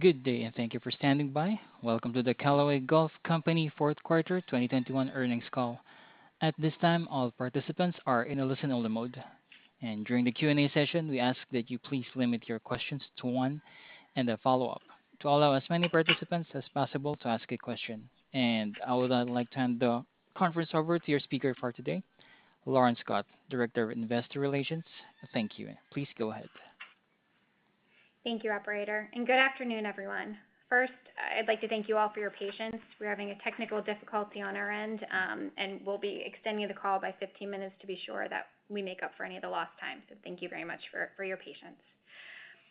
Good day, and thank you for standing by. Welcome to the Callaway Golf Company Fourth Quarter 2021 Earnings Call. At this time, all participants are in a listen-only mode. During the Q&A session, we ask that you please limit your questions to one and a follow-up to allow as many participants as possible to ask a question. I would like to hand the conference over to your speaker for today, Lauren Scott, Director of Investor Relations. Thank you, and please go ahead. Thank you, operator, and good afternoon, everyone. First, I'd like to thank you all for your patience. We're having a technical difficulty on our end, and we'll be extending the call by 15 minutes to be sure that we make up for any of the lost time. Thank you very much for your patience.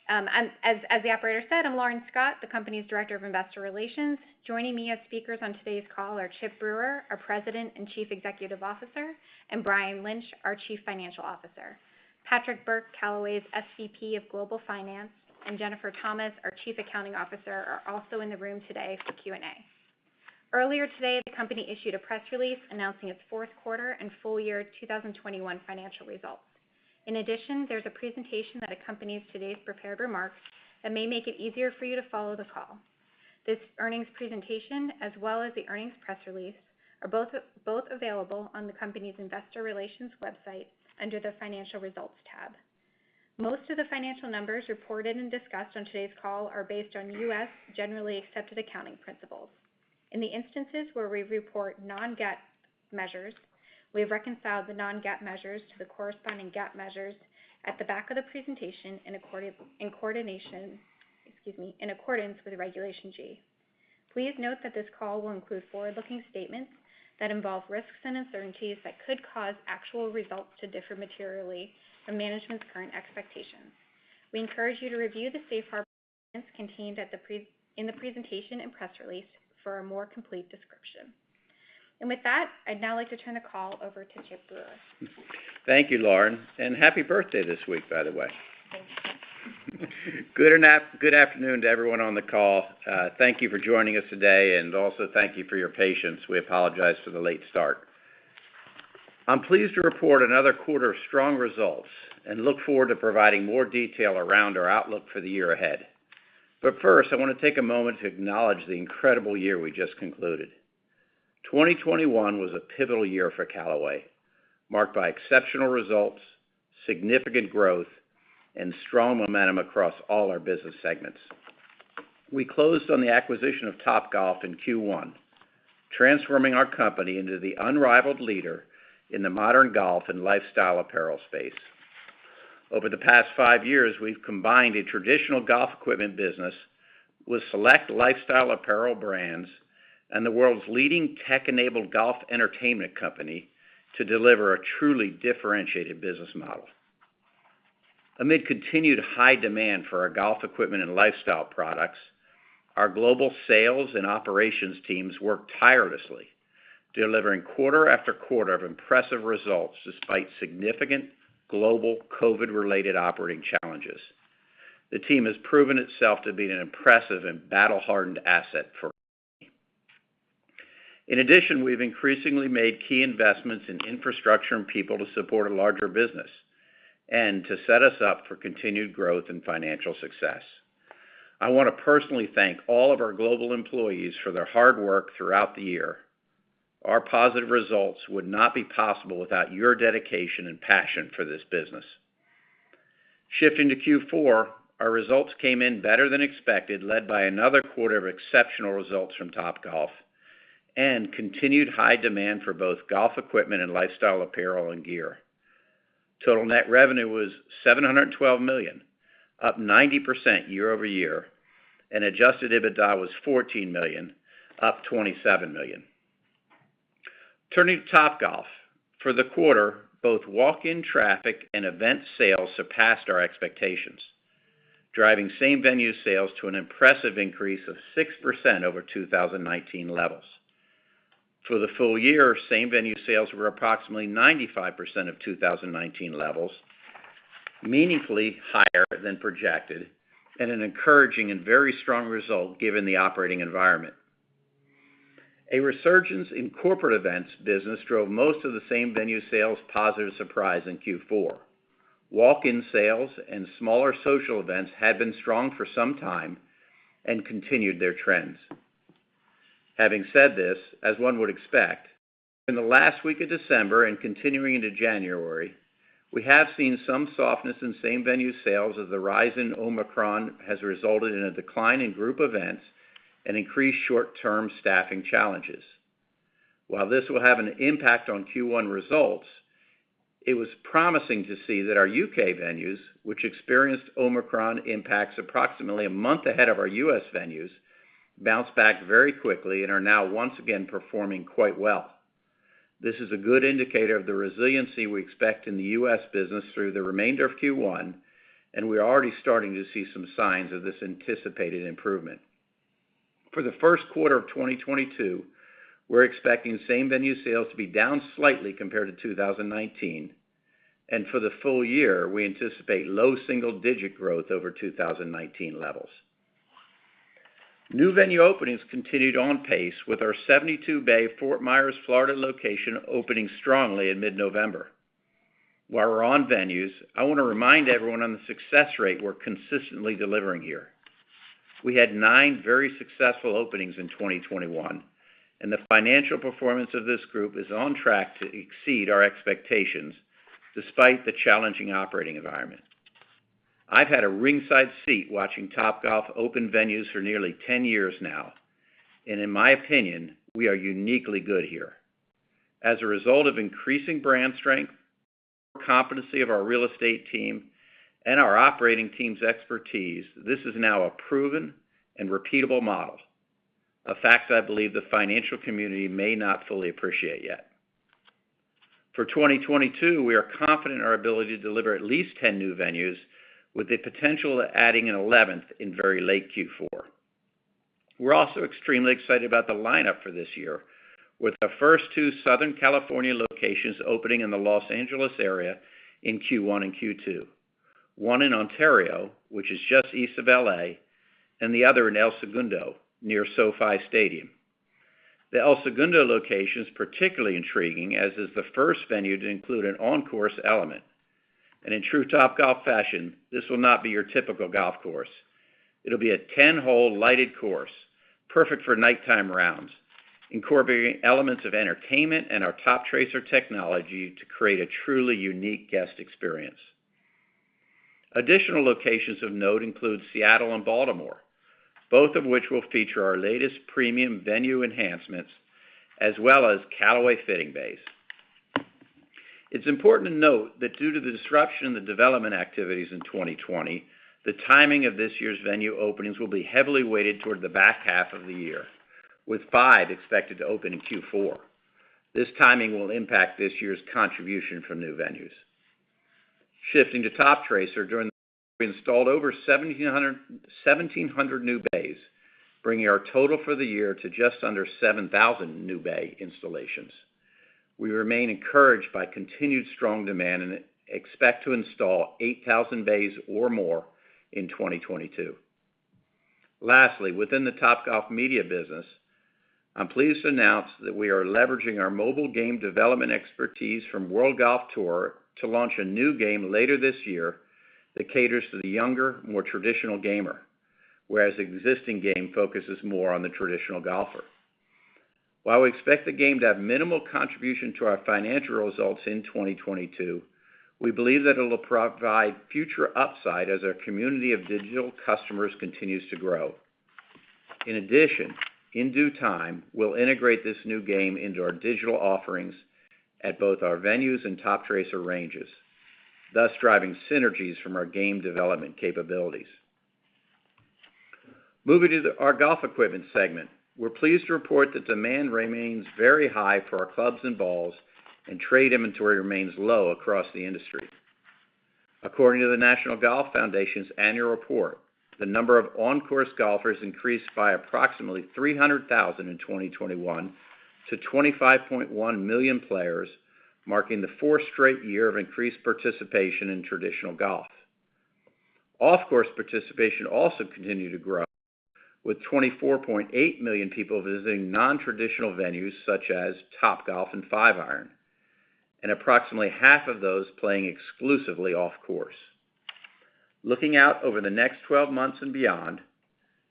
As the operator said, I'm Lauren Scott, the company's Director of Investor Relations. Joining me as speakers on today's call are Chip Brewer, our President and Chief Executive Officer, and Brian Lynch, our Chief Financial Officer. Patrick Burke, Callaway's SVP of Global Finance, and Jennifer Thomas, our Chief Accounting Officer, are also in the room today for Q&A. Earlier today, the company issued a press release announcing its fourth quarter and full year 2021 financial results. In addition, there's a presentation that accompanies today's prepared remarks that may make it easier for you to follow the call. This earnings presentation, as well as the earnings press release, are both available on the company's investor relations website under the Financial Results tab. Most of the financial numbers reported and discussed on today's call are based on U.S. generally accepted accounting principles. In the instances where we report non-GAAP measures, we've reconciled the non-GAAP measures to the corresponding GAAP measures at the back of the presentation in accordance with Regulation G. Please note that this call will include forward-looking statements that involve risks and uncertainties that could cause actual results to differ materially from management's current expectations. We encourage you to review the safe harbor documents contained in the presentation and press release for a more complete description. With that, I'd now like to turn the call over to Chip Brewer. Thank you, Lauren, and happy birthday this week, by the way. Thank you. Good afternoon to everyone on the call. Thank you for joining us today, and also thank you for your patience. We apologize for the late start. I'm pleased to report another quarter of strong results and look forward to providing more detail around our outlook for the year ahead. First, I wanna take a moment to acknowledge the incredible year we just concluded. 2021 was a pivotal year for Callaway, marked by exceptional results, significant growth, and strong momentum across all our business segments. We closed on the acquisition of Topgolf in Q1, transforming our company into the unrivaled leader in the modern Golf and Lifestyle Apparel space. Over the past five years, we've combined a traditional Golf Equipment business with select Lifestyle Apparel brands and the world's leading tech-enabled Golf entertainment company to deliver a truly differentiated business model. Amid continued high demand for our Golf Equipment and Lifestyle products, our global sales and operations teams work tirelessly, delivering quarter-after-quarter of impressive results despite significant global COVID-related operating challenges. The team has proven itself to be an impressive and battle-hardened asset for Callaway. In addition, we've increasingly made key investments in infrastructure and people to support a larger business and to set us up for continued growth and financial success. I wanna personally thank all of our global employees for their hard work throughout the year. Our positive results would not be possible without your dedication and passion for this business. Shifting to Q4, our results came in better than expected, led by another quarter of exceptional results from Topgolf and continued high demand for both Golf Equipment and Lifestyle Apparel and Gear. Total net revenue was $712 million, up 90% year-over-year, and adjusted EBITDA was $14 million, up $27 million. Turning to Topgolf, for the quarter, both walk-in traffic and event sales surpassed our expectations, driving same-venue sales to an impressive increase of 6% over 2019 levels. For the full year, same-venue sales were approximately 95% of 2019 levels, meaningfully higher than projected and an encouraging and very strong result given the operating environment. A resurgence in corporate events business drove most of the same-venue sales positive surprise in Q4. Walk-in sales and smaller social events had been strong for some time and continued their trends. Having said this, as one would expect, in the last week of December and continuing into January, we have seen some softness in same-venue sales as the rise in Omicron has resulted in a decline in group events and increased short-term staffing challenges. While this will have an impact on Q1 results, it was promising to see that our U.K. venues, which experienced Omicron impacts approximately a month ahead of our U.S. venues, bounced back very quickly and are now once again performing quite well. This is a good indicator of the resiliency we expect in the U.S. business through the remainder of Q1, and we are already starting to see some signs of this anticipated improvement. For the first quarter of 2022, we're expecting same-venue sales to be down slightly compared to 2019, and for the full year, we anticipate low single-digit growth over 2019 levels. New venue openings continued on pace with our 72-bay Fort Myers, Florida, location opening strongly in mid-November. While we're on venues, I want to remind everyone on the success rate we're consistently delivering here. We had nine very successful openings in 2021, and the financial performance of this group is on track to exceed our expectations despite the challenging operating environment. I've had a ringside seat watching Topgolf open venues for nearly 10 years now, and in my opinion, we are uniquely good here. As a result of increasing brand strength, competency of our real estate team, and our operating team's expertise, this is now a proven and repeatable model. A fact I believe the financial community may not fully appreciate yet. For 2022, we are confident in our ability to deliver at least 10 new venues with the potential of adding an 11th in very late Q4. We're also extremely excited about the lineup for this year with the first two Southern California locations opening in the Los Angeles area in Q1 and Q2. One in Ontario, which is just east of L.A., and the other in El Segundo, near SoFi Stadium. The El Segundo location is particularly intriguing, as is the first venue to include an on-course element. In true Topgolf fashion, this will not be your typical Golf course. It'll be a 10-hole lighted course, perfect for nighttime rounds, incorporating elements of entertainment and our Toptracer technology to create a truly unique guest experience. Additional locations of note include Seattle and Baltimore, both of which will feature our latest premium venue enhancements as well as Callaway fitting bays. It's important to note that due to the disruption in the development activities in 2020, the timing of this year's venue openings will be heavily weighted toward the back half of the year, with five expected to open in Q4. This timing will impact this year's contribution from new venues. Shifting to Toptracer, during the quarter, we installed over 1,700 new bays, bringing our total for the year to just under 7,000 new bay installations. We remain encouraged by continued strong demand and expect to install 8,000 bays or more in 2022. Lastly, within the Topgolf Media business, I'm pleased to announce that we are leveraging our mobile game development expertise from World Golf Tour to launch a new game later this year that caters to the younger, more traditional gamer, whereas the existing game focuses more on the traditional Golfer. While we expect the game to have minimal contribution to our financial results in 2022, we believe that it'll provide future upside as our community of digital customers continues to grow. In addition, in due time, we'll integrate this new game into our digital offerings at both our venues and Toptracer ranges, thus driving synergies from our game development capabilities. Moving to our Golf Equipment segment, we're pleased to report that demand remains very high for our clubs and balls, and trade inventory remains low across the industry. According to the National Golf Foundation's annual report, the number of on-course Golfers increased by approximately 300,000 in 2021 to 25.1 million players, marking the fourth straight year of increased participation in traditional Golf. Off-course participation also continued to grow, with 24.8 million people visiting non-traditional venues such as Topgolf and Five Iron, and approximately half of those playing exclusively off course. Looking out over the next 12 months and beyond,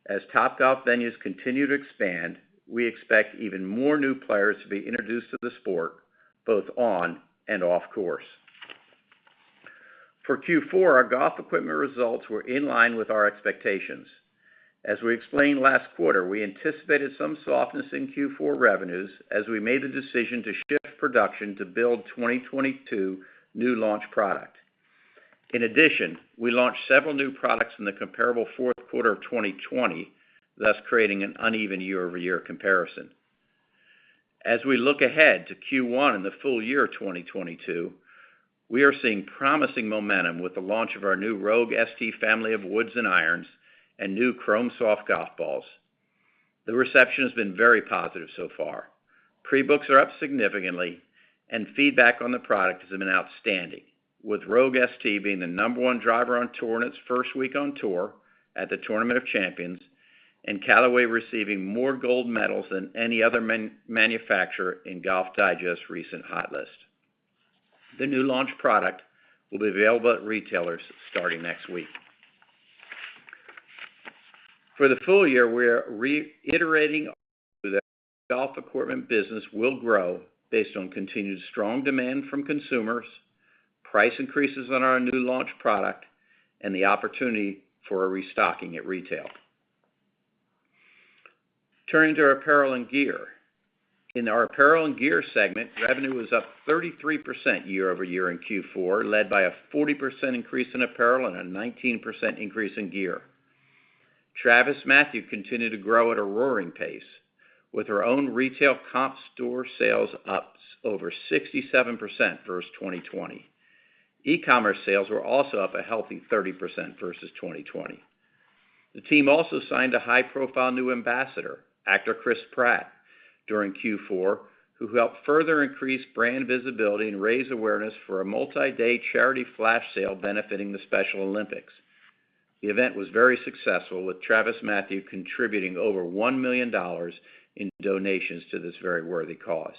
as Topgolf venues continue to expand, we expect even more new players to be introduced to the sport, both on and off course. For Q4, our Golf Equipment results were in line with our expectations. As we explained last quarter, we anticipated some softness in Q4 revenues as we made the decision to shift production to build 2022 new launch product. In addition, we launched several new products in the comparable fourth quarter of 2020, thus creating an uneven year-over-year comparison. As we look ahead to Q1 and the full year of 2022, we are seeing promising momentum with the launch of our new Rogue ST family of woods and irons and new Chrome Soft Golf balls. The reception has been very positive so far. Pre-books are up significantly, and feedback on the product has been outstanding, with Rogue ST being the number one driver on tour in its first week on tour at the Tournament of Champions, and Callaway receiving more gold medals than any other manufacturer in Golf Digest's recent Hot List. The new launch product will be available at retailers starting next week. For the full year, we're reiterating our view that our Golf Equipment business will grow based on continued strong demand from consumers, price increases on our new launch product, and the opportunity for a restocking at retail. Turning to our Apparel and Gear. In our Apparel and Gear segment, revenue was up 33% year-over-year in Q4, led by a 40% increase in Apparel and a 19% increase in Gear. TravisMathew continued to grow at a roaring pace, with our own retail comp store sales up over 67% versus 2020. E-commerce sales were also up a healthy 30% versus 2020. The team also signed a high-profile new ambassador, actor Chris Pratt, during Q4, who helped further increase brand visibility and raise awareness for a multi-day charity flash sale benefiting the Special Olympics. The event was very successful, with TravisMathew contributing over $1 million in donations to this very worthy cause.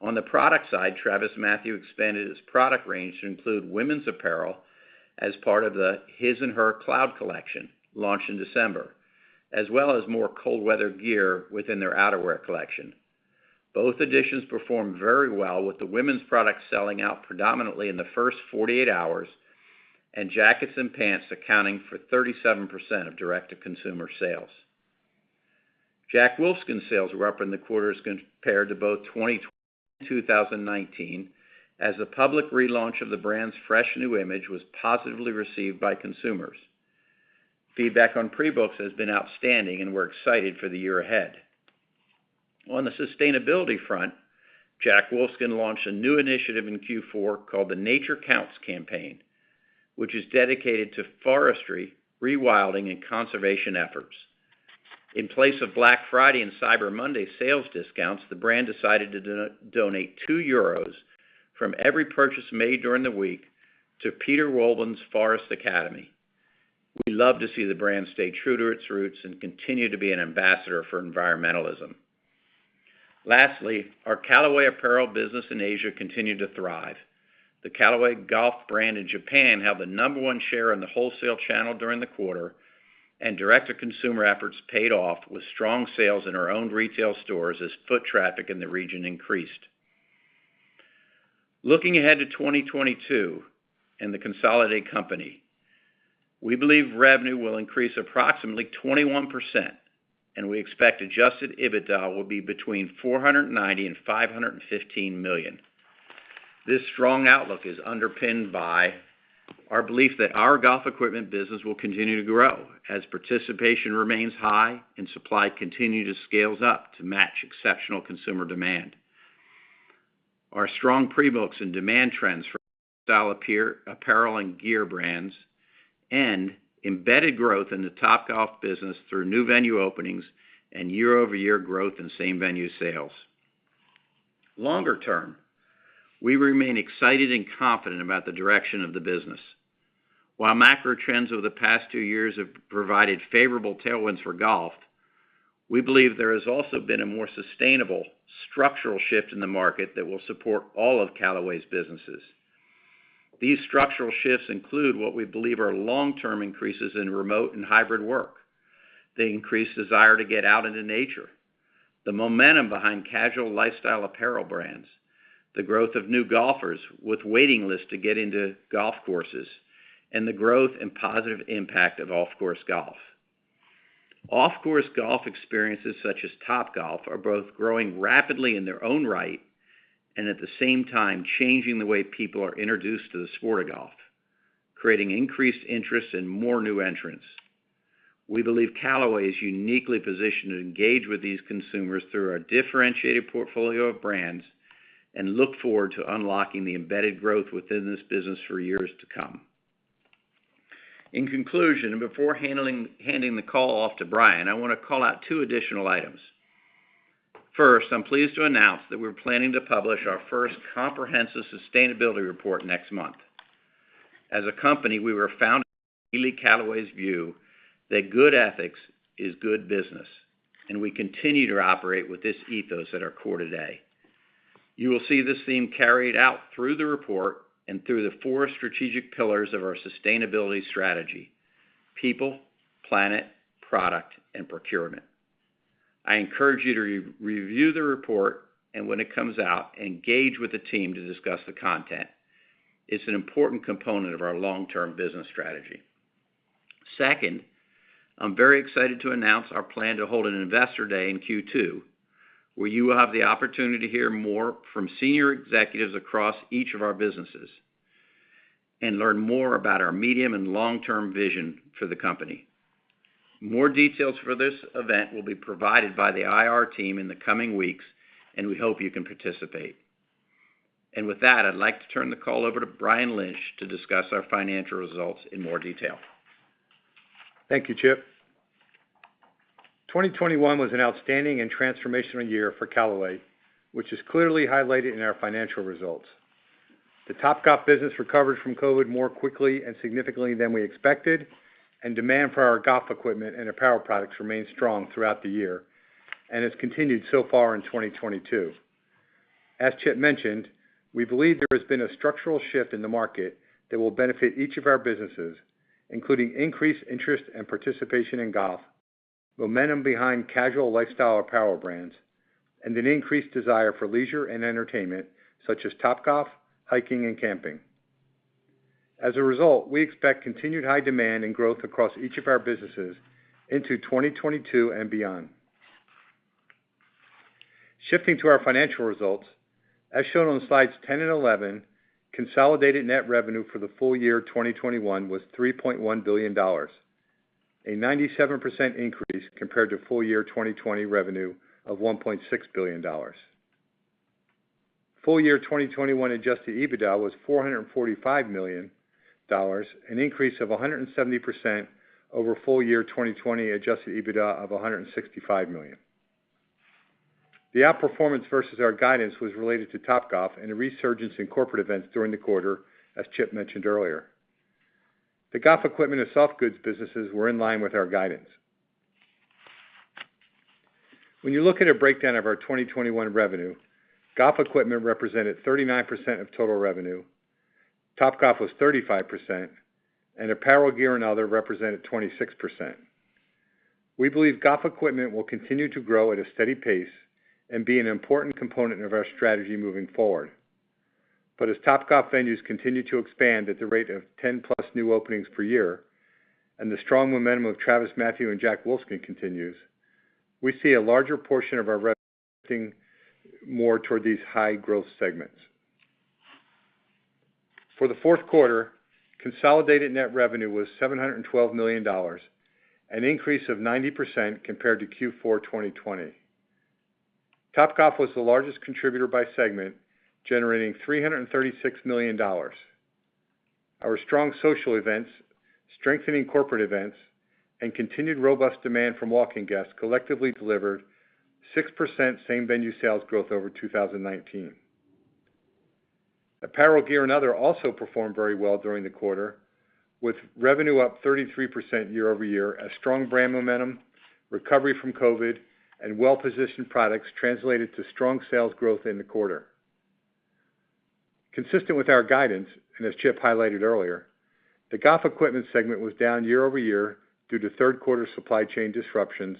On the product side, TravisMathew expanded its product range to include women's Apparel as part of the His and Hers Cloud collection launched in December, as well as more cold weather gear within their outerwear collection. Both additions performed very well, with the women's products selling out predominantly in the first 48 hours, and jackets and pants accounting for 37% of direct-to-consumer sales. Jack Wolfskin sales were up in the quarter as compared to both 2020 and 2019, as the public relaunch of the brand's fresh new image was positively received by consumers. Feedback on pre-books has been outstanding, and we're excited for the year ahead. On the sustainability front, Jack Wolfskin launched a new initiative in Q4 called the Nature Counts campaign, which is dedicated to forestry, rewilding, and conservation efforts. In place of Black Friday and Cyber Monday sales discounts, the brand decided to donate 2 euros from every purchase made during the week to Peter Wohlleben's Forest Academy. We love to see the brand stay true to its roots and continue to be an ambassador for environmentalism. Lastly, our Callaway Apparel business in Asia continued to thrive. The Callaway Golf brand in Japan held the number one share in the wholesale channel during the quarter, and direct-to-consumer efforts paid off with strong sales in our own retail stores as foot traffic in the region increased. Looking ahead to 2022 and the consolidated company, we believe revenue will increase approximately 21%, and we expect adjusted EBITDA will be between $490 million and $515 million. This strong outlook is underpinned by our belief that our Golf Equipment business will continue to grow as participation remains high and supply continues to scale up to match exceptional consumer demand. Our strong pre-books and demand trends for stylish Apparel and Gear brands, and embedded growth in the Topgolf business through new venue openings and year-over-year growth in same-venue sales. Longer term, we remain excited and confident about the direction of the business. While macro trends over the past two years have provided favorable tailwinds for Golf, we believe there has also been a more sustainable structural shift in the market that will support all of Callaway's businesses. These structural shifts include what we believe are long-term increases in remote and hybrid work, the increased desire to get out into nature, the momentum behind casual Lifestyle Apparel brands, the growth of new Golfers with waiting lists to get into Golf courses, and the growth and positive impact of off-course Golf. Off-course Golf experiences, such as Topgolf, are both growing rapidly in their own right and at the same time changing the way people are introduced to the sport of Golf, creating increased interest and more new entrants. We believe Callaway is uniquely positioned to engage with these consumers through our differentiated portfolio of brands and look forward to unlocking the embedded growth within this business for years to come. In conclusion, and before handing the call off to Brian, I wanna call out two additional items. First, I'm pleased to announce that we're planning to publish our first comprehensive sustainability report next month. As a company, we were founded on Ely Callaway's view that good ethics is good business, and we continue to operate with this ethos at our core today. You will see this theme carried out through the report and through the four strategic pillars of our sustainability strategy, people, planet, product, and procurement. I encourage you to re-review the report, and when it comes out, engage with the team to discuss the content. It's an important component of our long-term business strategy. Second, I'm very excited to announce our plan to hold an Investor Day in Q2, where you will have the opportunity to hear more from senior executives across each of our businesses and learn more about our medium and long-term vision for the company. More details for this event will be provided by the IR team in the coming weeks, and we hope you can participate. With that, I'd like to turn the call over to Brian Lynch to discuss our financial results in more detail. Thank you, Chip. 2021 was an outstanding and transformational year for Callaway, which is clearly highlighted in our financial results. The Topgolf business recovered from COVID more quickly and significantly than we expected, and demand for our Golf Equipment and Apparel products remained strong throughout the year and has continued so far in 2022. As Chip mentioned, we believe there has been a structural shift in the market that will benefit each of our businesses, including increased interest and participation in Golf, momentum behind casual Lifestyle Apparel brands, and an increased desire for leisure and entertainment, such as Topgolf, hiking, and camping. As a result, we expect continued high demand and growth across each of our businesses into 2022 and beyond. Shifting to our financial results, as shown on slides 10 and 11, consolidated net revenue for the full year 2021 was $3.1 billion, a 97% increase compared to full year 2020 revenue of $1.6 billion. Full year 2021 adjusted EBITDA was $445 million, an increase of 170% over full year 2020 adjusted EBITDA of $165 million. The outperformance versus our guidance was related to Topgolf and a resurgence in corporate events during the quarter, as Chip mentioned earlier. The Golf Equipment and Softgoods businesses were in line with our guidance. When you look at a breakdown of our 2021 revenue, Golf Equipment represented 39% of total revenue, Topgolf was 35%, and Apparel, Gear and other represented 26%. We believe Golf Equipment will continue to grow at a steady pace and be an important component of our strategy moving forward. As Topgolf venues continue to expand at the rate of 10+ new openings per year and the strong momentum of TravisMathew and Jack Wolfskin continues, we see a larger portion of our revenue shifting more toward these high-growth segments. For the fourth quarter, consolidated net revenue was $712 million, an increase of 90% compared to Q4 2020. Topgolf was the largest contributor by segment, generating $336 million. Our strong social events, strengthening corporate events, and continued robust demand from walk-in guests collectively delivered 6% same-venue sales growth over 2019. Apparel, Gear, and other also performed very well during the quarter, with revenue up 33% year-over-year as strong brand momentum, recovery from COVID, and well-positioned products translated to strong sales growth in the quarter. Consistent with our guidance, and as Chip highlighted earlier, the Golf Equipment segment was down year-over-year due to third quarter supply chain disruptions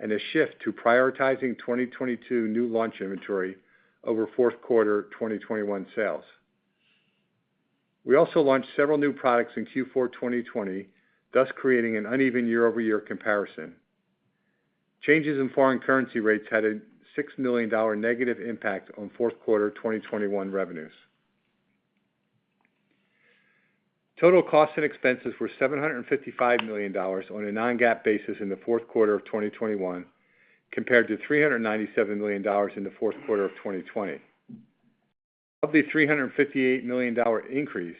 and a shift to prioritizing 2022 new launch inventory over fourth quarter 2021 sales. We also launched several new products in Q4 2020, thus creating an uneven year-over-year comparison. Changes in foreign currency rates had a $6 million negative impact on fourth quarter 2021 revenues. Total costs and expenses were $755 million on a non-GAAP basis in the fourth quarter of 2021 compared to $397 million in the fourth quarter of 2020. Of the $358 million increase,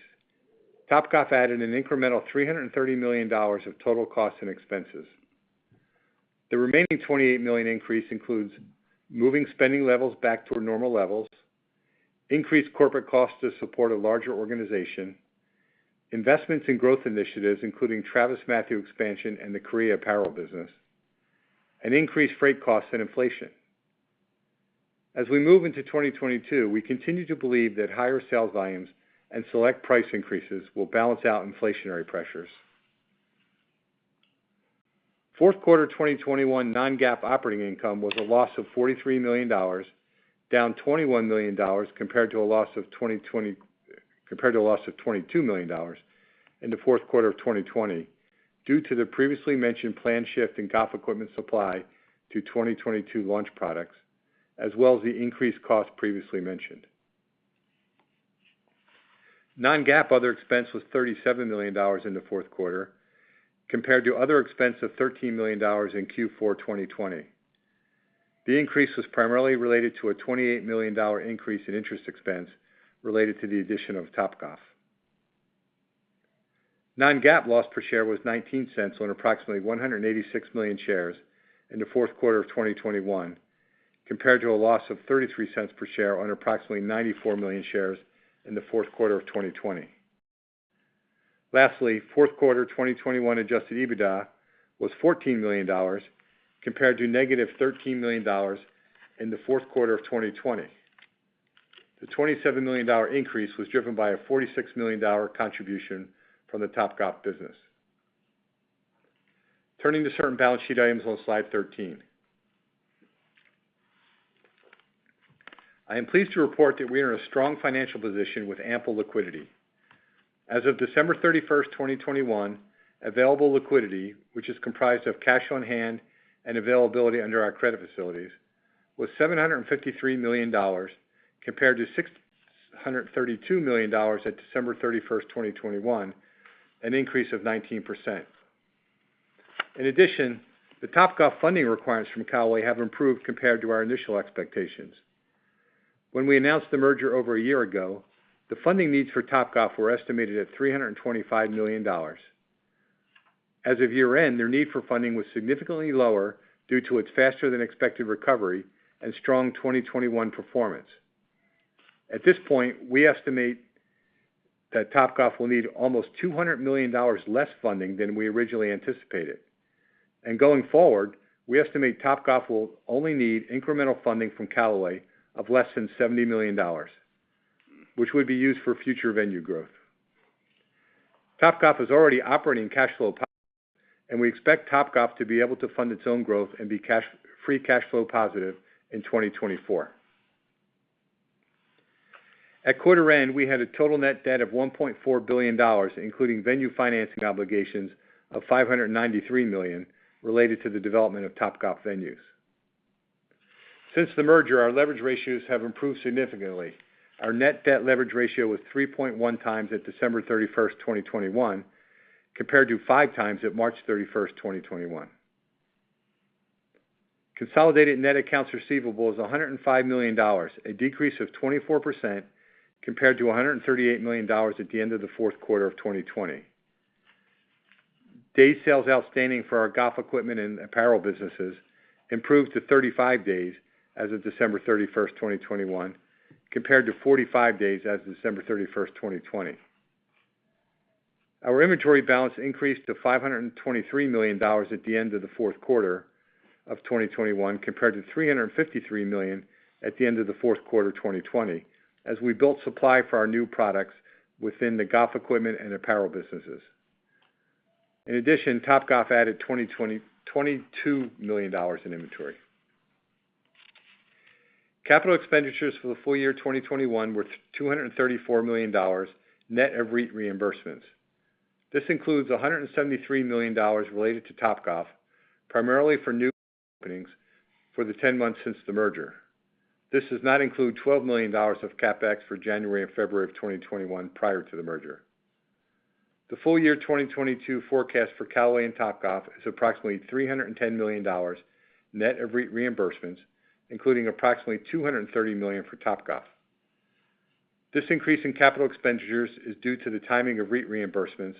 Topgolf added an incremental $330 million of total costs and expenses. The remaining $28 million increase includes moving spending levels back toward normal levels, increased corporate costs to support a larger organization, investments in growth initiatives, including TravisMathew expansion and the Callaway Apparel business, and increased freight costs and inflation. As we move into 2022, we continue to believe that higher sales volumes and select price increases will balance out inflationary pressures. Fourth quarter 2021 non-GAAP operating income was a loss of $43 million, down $21 million compared to a loss of $22 million in the fourth quarter of 2020 due to the previously mentioned planned shift in Golf Equipment supply to 2022 launch products as well as the increased cost previously mentioned. Non-GAAP other expense was $37 million in the fourth quarter compared to other expense of $13 million in Q4 2020. The increase was primarily related to a $28 million dollar increase in interest expense related to the addition of Topgolf. Non-GAAP loss per share was $0.19 on approximately 186 million shares in the fourth quarter of 2021 compared to a loss of $0.33 per share on approximately 94 million shares in the fourth quarter of 2020. Lastly, fourth quarter 2021 adjusted EBITDA was $14 million compared to negative $13 million in the fourth quarter of 2020. The $27 million increase was driven by a $46 million contribution from the Topgolf business. Turning to certain balance sheet items on slide 13. I am pleased to report that we are in a strong financial position with ample liquidity. As of December 31, 2021, available liquidity, which is comprised of cash on hand and availability under our credit facilities, was $753 million compared to $632 million at December 31, 2020, an increase of 19%. In addition, the Topgolf funding requirements from Callaway have improved compared to our initial expectations. When we announced the merger over a year ago, the funding needs for Topgolf were estimated at $325 million. As of year-end, their need for funding was significantly lower due to its faster than expected recovery and strong 2021 performance. At this point, we estimate that Topgolf will need almost $200 million less funding than we originally anticipated. Going forward, we estimate Topgolf will only need incremental funding from Callaway of less than $70 million, which would be used for future venue growth. Topgolf is already operating cash flow positive, and we expect Topgolf to be able to fund its own growth and be free cash flow positive in 2024. At quarter end, we had a total net debt of $1.4 billion, including venue financing obligations of $593 million related to the development of Topgolf venues. Since the merger, our leverage ratios have improved significantly. Our net debt leverage ratio was 3.1 times at December 31, 2021, compared to 5 times at March 31, 2021. Consolidated net accounts receivable is $105 million, a decrease of 24% compared to $138 million at the end of the fourth quarter of 2020. Days sales outstanding for our Golf Equipment and Apparel businesses improved to 35 days as of December 31, 2021, compared to 45 days as of December 31, 2020. Our inventory balance increased to $523 million at the end of the fourth quarter of 2021, compared to $353 million at the end of the fourth quarter of 2020, as we built supply for our new products within the Golf Equipment and Apparel businesses. In addition, Topgolf added $22 million in inventory. Capital expenditures for the full year 2021 were $234 million, net of REIT reimbursements. This includes $173 million related to Topgolf, primarily for new openings for the 10 months since the merger. This does not include $12 million of CapEx for January and February of 2021 prior to the merger. The full year 2022 forecast for Callaway and Topgolf is approximately $310 million, net of REIT reimbursements, including approximately $230 million for Topgolf. This increase in capital expenditures is due to the timing of REIT reimbursements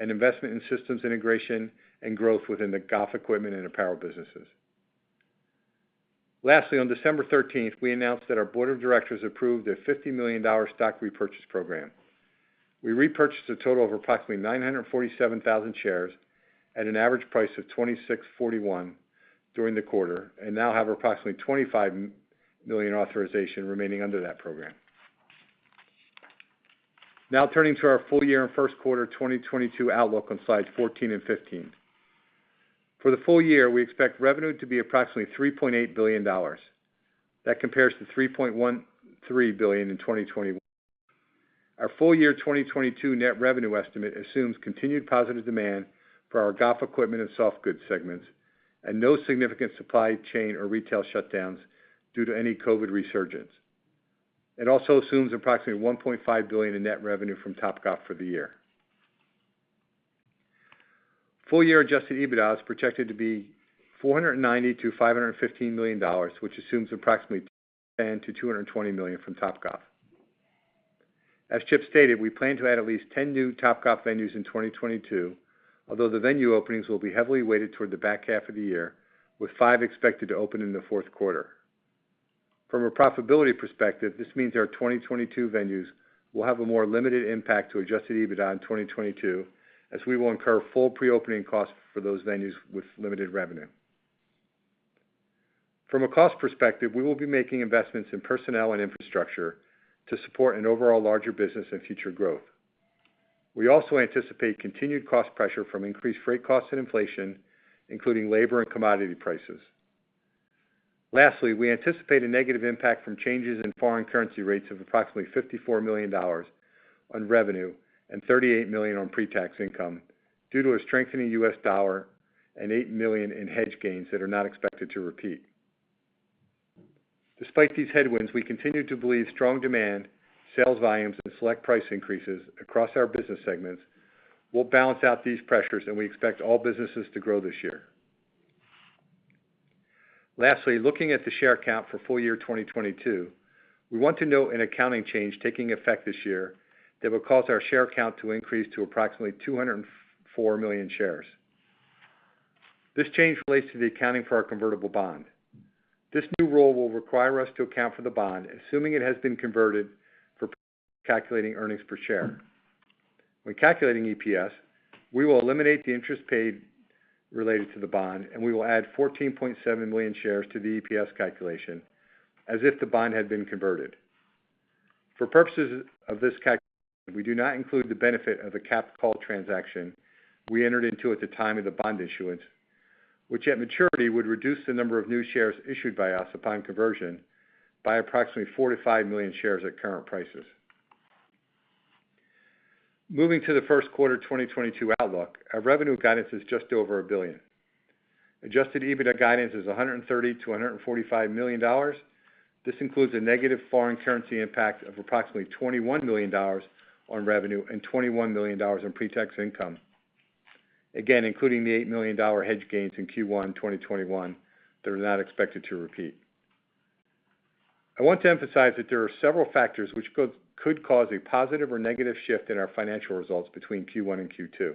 and investment in systems integration and growth within the Golf Equipment and Apparel businesses. Lastly, on December 13, we announced that our board of directors approved a $50 million stock repurchase program. We repurchased a total of approximately 947,000 shares at an average price of $26.41 during the quarter, and now have approximately 25 million authorization remaining under that program. Now turning to our full year and first quarter 2022 outlook on slides 14 and 15. For the full year, we expect revenue to be approximately $3.8 billion. That compares to $3.13 billion in 2020. Our full year 2022 net revenue estimate assumes continued positive demand for our Golf Equipment and soft goods segments and no significant supply chain or retail shutdowns due to any COVID resurgence. It also assumes approximately $1.5 billion in net revenue from Topgolf for the year. Full year adjusted EBITDA is projected to be $490 million-$515 million, which assumes approximately $220 million from Topgolf. As Chip stated, we plan to add at least 10 new Topgolf venues in 2022, although the venue openings will be heavily weighted toward the back half of the year, with five expected to open in the fourth quarter. From a profitability perspective, this means our 2022 venues will have a more limited impact to adjusted EBITDA in 2022, as we will incur full pre-opening costs for those venues with limited revenue. From a cost perspective, we will be making investments in personnel and infrastructure to support an overall larger business and future growth. We also anticipate continued cost pressure from increased freight costs and inflation, including labor and commodity prices. Lastly, we anticipate a negative impact from changes in foreign currency rates of approximately $54 million on revenue and $38 million on pre-tax income due to a strengthening U.S. dollar and $8 million in hedge gains that are not expected to repeat. Despite these headwinds, we continue to believe strong demand, sales volumes, and select price increases across our business segments will balance out these pressures, and we expect all businesses to grow this year. Lastly, looking at the share count for full year 2022, we want to note an accounting change taking effect this year that will cause our share count to increase to approximately 204 million shares. This change relates to the accounting for our convertible bond. This new rule will require us to account for the bond, assuming it has been converted for calculating earnings per share. When calculating EPS, we will eliminate the interest paid related to the bond, and we will add 14.7 million shares to the EPS calculation as if the bond had been converted. For purposes of this calculation, we do not include the benefit of the capped call transaction we entered into at the time of the bond issuance, which at maturity would reduce the number of new shares issued by us upon conversion by approximately 4 million-5 million shares at current prices. Moving to the first quarter 2022 outlook, our revenue guidance is just over $1 billion. Adjusted EBITDA guidance is $130 million-$145 million. This includes a negative foreign currency impact of approximately $21 million on revenue and $21 million in pre-tax income. Again, including the $8 million hedge gains in Q1 2021 that are not expected to repeat. I want to emphasize that there are several factors which could cause a positive or negative shift in our financial results between Q1 and Q2.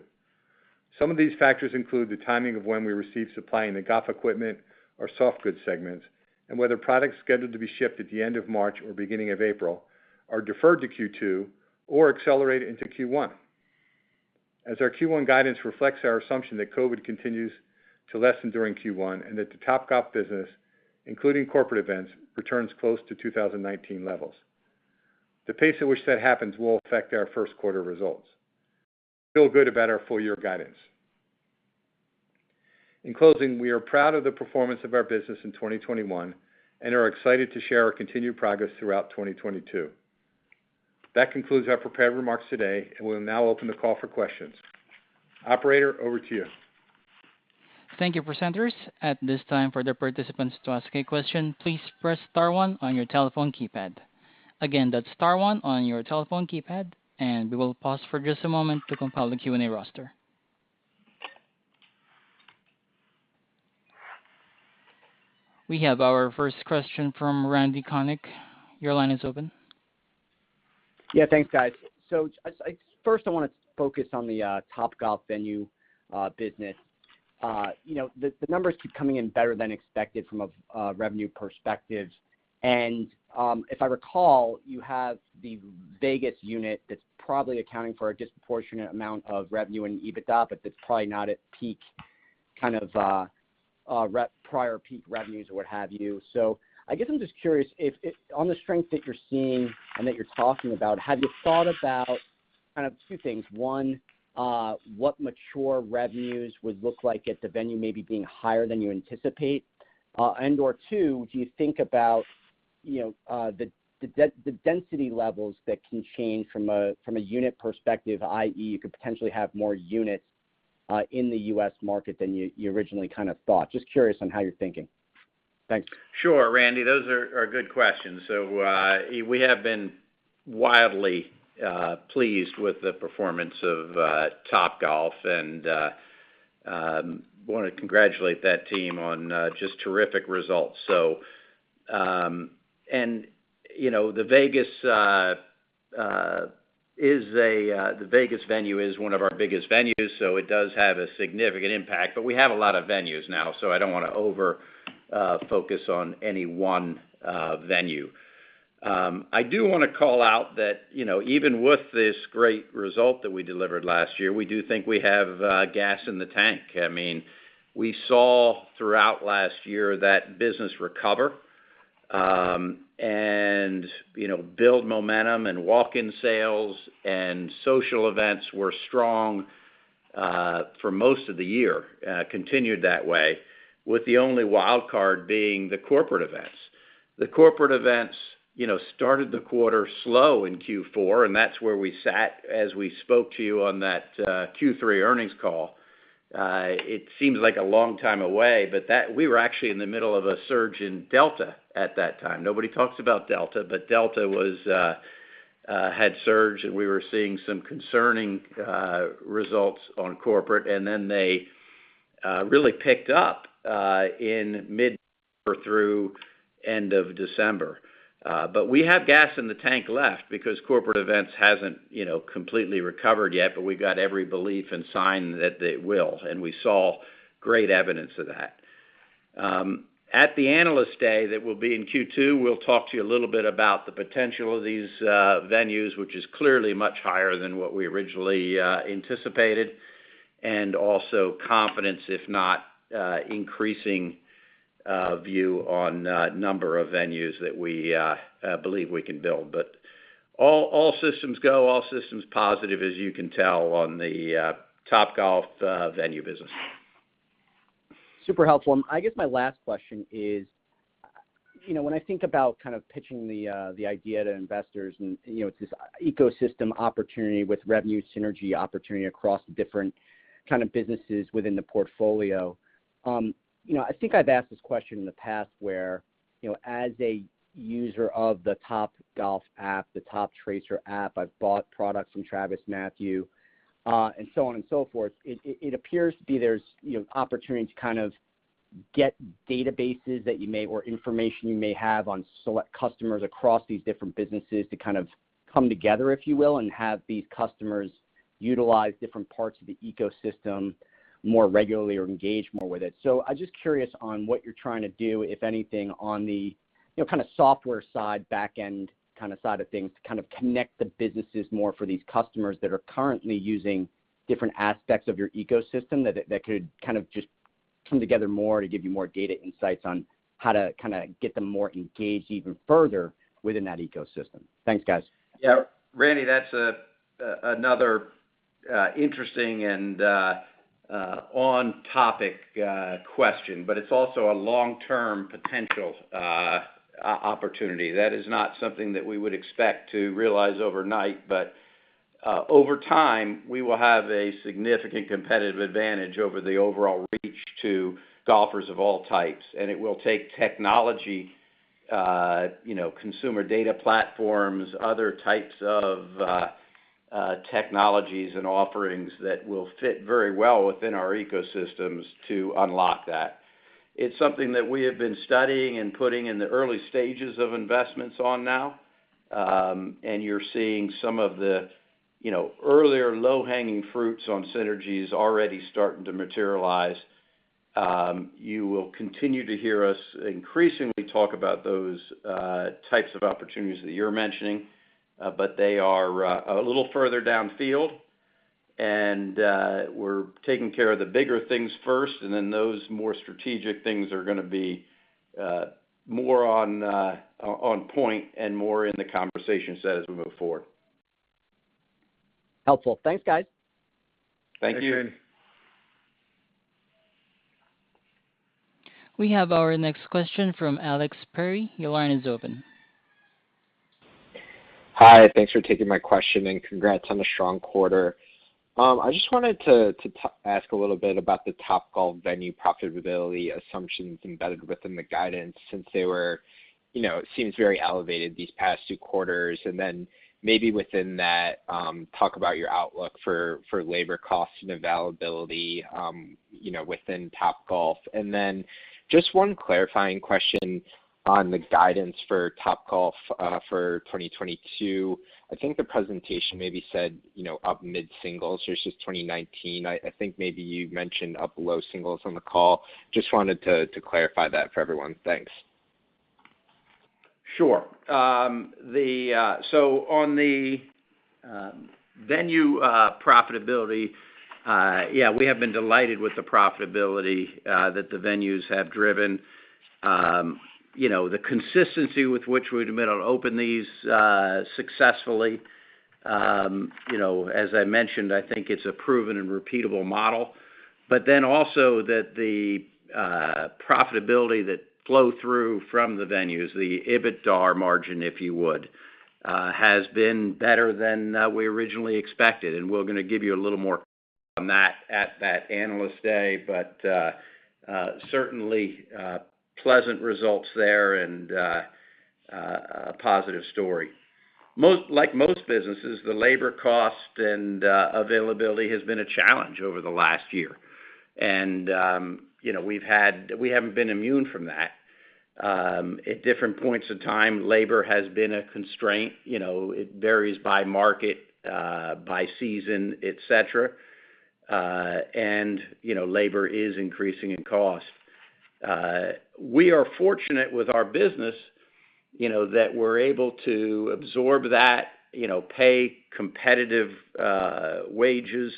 Some of these factors include the timing of when we receive supply in the Golf Equipment or Softgoods segments, and whether products scheduled to be shipped at the end of March or beginning of April are deferred to Q2 or accelerated into Q1. As our Q1 guidance reflects our assumption that COVID continues to lessen during Q1 and that the Topgolf business, including corporate events, returns close to 2019 levels. The pace at which that happens will affect our first quarter results. We feel good about our full year guidance. In closing, we are proud of the performance of our business in 2021 and are excited to share our continued progress throughout 2022. That concludes our prepared remarks today, and we'll now open the call for questions. Operator, over to you. Thank you, presenters. At this time, for the participants to ask a question, please press star one on your telephone keypad. Again, that's star one on your telephone keypad, and we will pause for just a moment to compile the Q&A roster. We have our first question from Randy Konik. Your line is open. Yeah, thanks guys. First, I want to focus on the Topgolf venue business. You know, the numbers keep coming in better than expected from a revenue perspective. If I recall, you have the Vegas unit that's probably accounting for a disproportionate amount of revenue and EBITDA, but that's probably not at peak kind of prior peak revenues or what have you. I guess I'm just curious if on the strength that you're seeing and that you're talking about, have you thought about kind of two things? One, what mature revenues would look like at the venue maybe being higher than you anticipate, and/or two, do you think about, you know, the density levels that can change from a unit perspective, i.e. You could potentially have more units in the U.S. market than you originally kind of thought. Just curious on how you're thinking? Thanks. Sure, Randy, those are good questions. We have been wildly pleased with the performance of Topgolf and wanna congratulate that team on just terrific results. You know, the Vegas venue is one of our biggest venues, so it does have a significant impact. We have a lot of venues now, so I don't wanna over focus on any one venue. I do wanna call out that, you know, even with this great result that we delivered last year, we do think we have gas in the tank. I mean, we saw throughout last year that business recover, and, you know, build momentum and walk-in sales and social events were strong, for most of the year, continued that way with the only wildcard being the corporate events. The corporate events, you know, started the quarter slow in Q4, and that's where we sat as we spoke to you on that, Q3 earnings call. It seems like a long time away, but we were actually in the middle of a surge in Delta at that time. Nobody talks about Delta, but Delta had surged, and we were seeing some concerning results on corporate, and then they really picked up, in mid-Q4 through end of December. We have gas in the tank left because corporate events hasn't, you know, completely recovered yet, but we've got every belief and sign that they will, and we saw great evidence of that. At the Analyst Day that will be in Q2, we'll talk to you a little bit about the potential of these venues, which is clearly much higher than what we originally anticipated, and also confidence if not increasing view on number of venues that we believe we can build. All systems go, all systems positive as you can tell on the Topgolf venue business. Super helpful. I guess my last question is, you know, when I think about kind of pitching the idea to investors and, you know, it's this ecosystem opportunity with revenue synergy opportunity across different kind of businesses within the portfolio, you know, I think I've asked this question in the past where, you know, as a user of the Topgolf app, the Toptracer app, I've bought products from TravisMathew, and so on and so forth, it appears to be there's, you know, opportunity to kind of get databases that you may or information you may have on select customers across these different businesses to kind of come together, if you will, and have these customers utilize different parts of the ecosystem more regularly or engage more with it. I'm just curious on what you're trying to do, if anything, on the, you know, kind of software side, back end kinda side of things to kind of connect the businesses more for these customers that are currently using different aspects of your ecosystem that could kind of just come together more to give you more data insights on how to kinda get them more engaged even further within that ecosystem? Thanks, guys. Yeah. Randy, that's another interesting and on-topic question, but it's also a long-term potential opportunity. That is not something that we would expect to realize overnight, but over time, we will have a significant competitive advantage over the overall reach to Golfers of all types, and it will take technology, you know, consumer data platforms, other types of technologies and offerings that will fit very well within our ecosystems to unlock that. It's something that we have been studying and putting in the early stages of investments on now, and you're seeing some of the, you know, earlier low-hanging fruits on synergies already starting to materialize. You will continue to hear us increasingly talk about those types of opportunities that you're mentioning, but they are a little further downfield and we're taking care of the bigger things first, and then those more strategic things are gonna be more on point and more in the conversation set as we move forward. Helpful. Thanks, guys. Thank you. We have our next question from Alex Perry. Your line is open. Hi. Thanks for taking my question, and congrats on a strong quarter. I just wanted to ask a little bit about the Topgolf venue profitability assumptions embedded within the guidance since they were, you know, it seems very elevated these past two quarters. Then maybe within that, talk about your outlook for labor costs and availability, you know, within Topgolf. Then just one clarifying question on the guidance for Topgolf for 2022. I think the presentation maybe said, you know, up mid-singles versus 2019. I think maybe you mentioned up low singles on the call. Just wanted to clarify that for everyone? Thanks. Sure. On the venue profitability, yeah, we have been delighted with the profitability that the venues have driven. You know, the consistency with which we've been able to open these successfully, you know, as I mentioned, I think it's a proven and repeatable model. Also, the profitability that flow through from the venues, the EBITDA margin, if you would, has been better than we originally expected. We're gonna give you a little more on that at that Analyst Day. Certainly, pleasant results there and a positive story. Like most businesses, the labor cost and availability has been a challenge over the last year. You know, we haven't been immune from that. At different points in time, labor has been a constraint, you know. It varies by market, by season, et cetera. You know, labor is increasing in cost. We are fortunate with our business, you know, that we're able to absorb that, you know, pay competitive wages.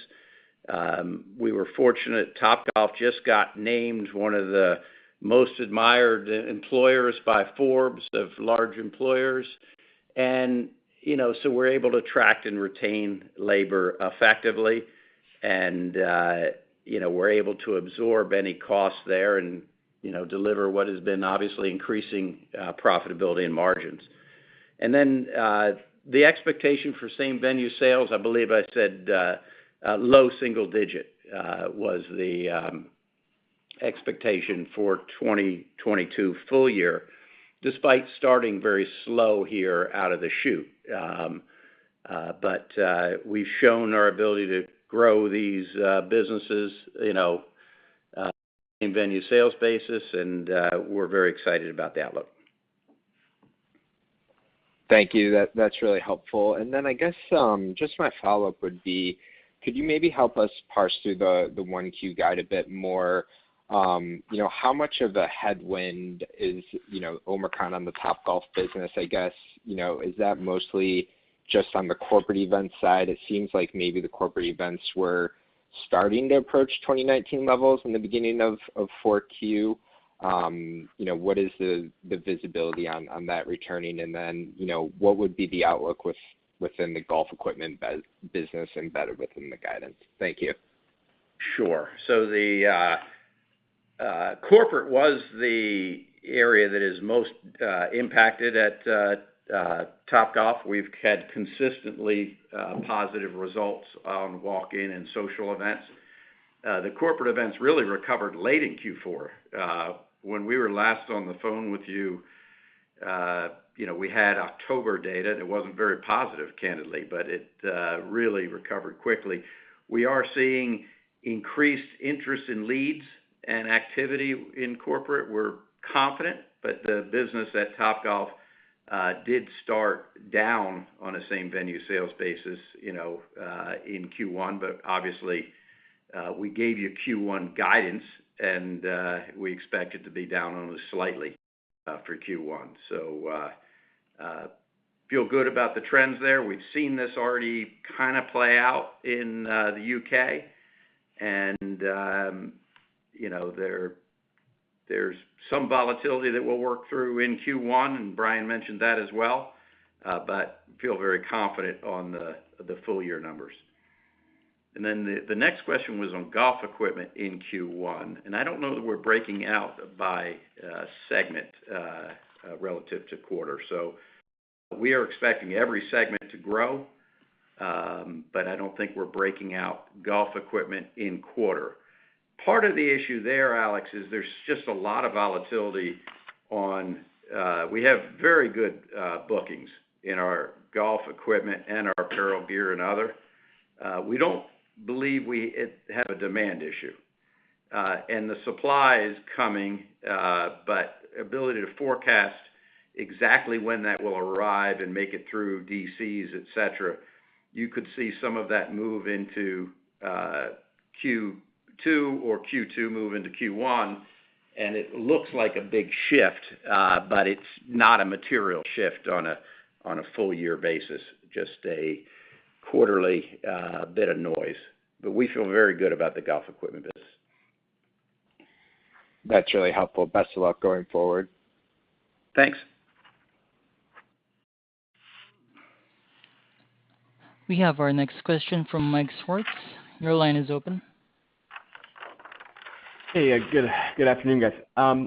We were fortunate. Topgolf just got named one of the most admired employers by Forbes of large employers. You know, so we're able to attract and retain labor effectively. You know, we're able to absorb any costs there and, you know, deliver what has been obviously increasing profitability and margins. The expectation for same-venue sales, I believe I said, low single digit, was the expectation for 2022 full year, despite starting very slow here out of the chute. We've shown our ability to grow these businesses, you know, in venue sales basis, and we're very excited about the outlook. Thank you. That's really helpful. I guess, just my follow-up would be, could you maybe help us parse through the 1Q guide a bit more? You know, how much of the headwind is Omicron on the Topgolf business, I guess? You know, is that mostly just on the corporate event side? It seems like maybe the corporate events were starting to approach 2019 levels in the beginning of 4Q. You know, what is the visibility on that returning? You know, what would be the outlook within the Golf Equipment business embedded within the guidance? Thank you. Sure. The corporate was the area that is most impacted at Topgolf. We've had consistently positive results on walk-in and social events. The corporate events really recovered late in Q4. When we were last on the phone with you know, we had October data, and it wasn't very positive, candidly, but it really recovered quickly. We are seeing increased interest in leads and activity in corporate. We're confident, but the business at Topgolf did start down on a same-venue sales basis, you know, in Q1. Obviously, we gave you Q1 guidance, and we expect it to be down only slightly for Q1. Feel good about the trends there. We've seen this already kind of play out in the U.K. You know, there's some volatility that we'll work through in Q1, and Brian mentioned that as well, but feel very confident on the full year numbers. The next question was on Golf Equipment in Q1, and I don't know that we're breaking out by segment relative to quarter. We are expecting every segment to grow, but I don't think we're breaking out Golf Equipment in quarter. Part of the issue there, Alex, is there's just a lot of volatility on. We have very good bookings in our Golf Equipment and our Apparel, Gear, and other. We don't believe we have a demand issue. The supply is coming, but the ability to forecast exactly when that will arrive and make it through DCs, et cetera. You could see some of that move into Q2 or Q2 move into Q1, and it looks like a big shift, but it's not a material shift on a full year basis, just a quarterly bit of noise. We feel very good about the Golf Equipment business. That's really helpful. Best of luck going forward. Thanks. We have our next question from Mike Swartz. Your line is open. Hey, yeah. Good afternoon, guys. I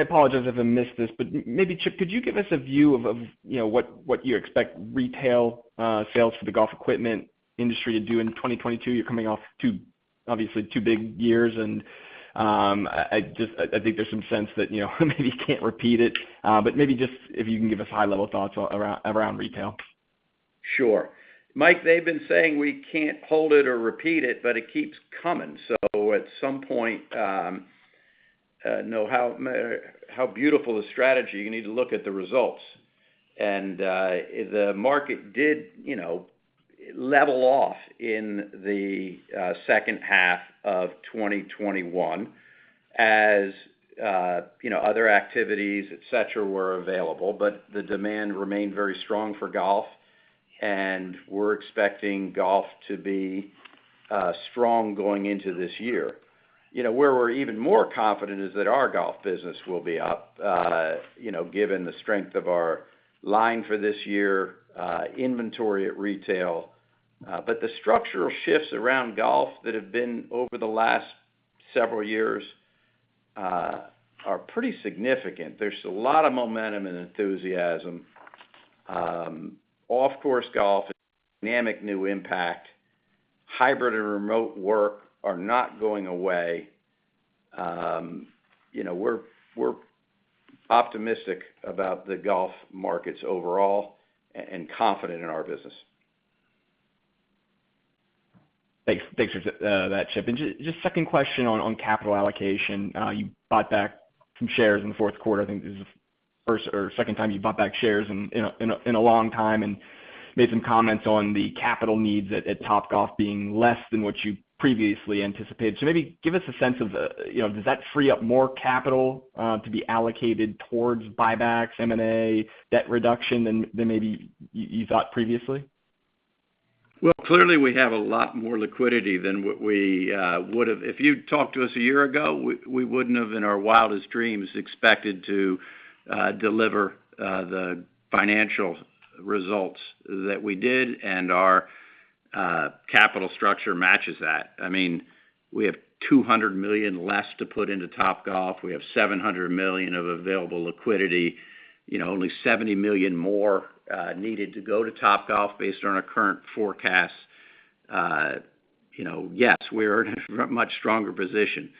apologize if I missed this, but maybe, Chip, could you give us a view of you know, what you expect retail sales for the Golf Equipment industry to do in 2022? You're coming off two big years, obviously. I just think there's some sense that you know, maybe you can't repeat it. But maybe just if you can give us high level thoughts around retail? Sure. Mike, they've been saying we can't hold it or repeat it, but it keeps coming. At some point, no matter how beautiful a strategy, you need to look at the results. The market did, you know, level off in the second half of 2021 as, you know, other activities, et cetera, were available. The demand remained very strong for Golf, and we're expecting Golf to be strong going into this year. You know, where we're even more confident is that our Golf business will be up, you know, given the strength of our line for this year, inventory at retail. The structural shifts around Golf that have been over the last several years are pretty significant. There's a lot of momentum and enthusiasm. Off course Golf is a dynamic new aspect. Hybrid and remote work are not going away. You know, we're optimistic about the Golf markets overall and confident in our business. Thanks for that, Chip. Just second question on capital allocation. You bought back some shares in the fourth quarter. I think this is the first or second time you bought back shares in a long time, and made some comments on the capital needs at Topgolf being less than what you previously anticipated. Maybe give us a sense of, you know, does that free up more capital to be allocated towards buybacks, M&A, debt reduction than maybe you thought previously? Well, clearly, we have a lot more liquidity than what we would've. If you talked to us a year ago, we wouldn't have in our wildest dreams expected to deliver the financial results that we did, and our capital structure matches that. I mean, we have $200 million less to put into Topgolf. We have $700 million of available liquidity. You know, only $70 million more needed to go to Topgolf based on our current forecast. You know, yes, we're in a much stronger position.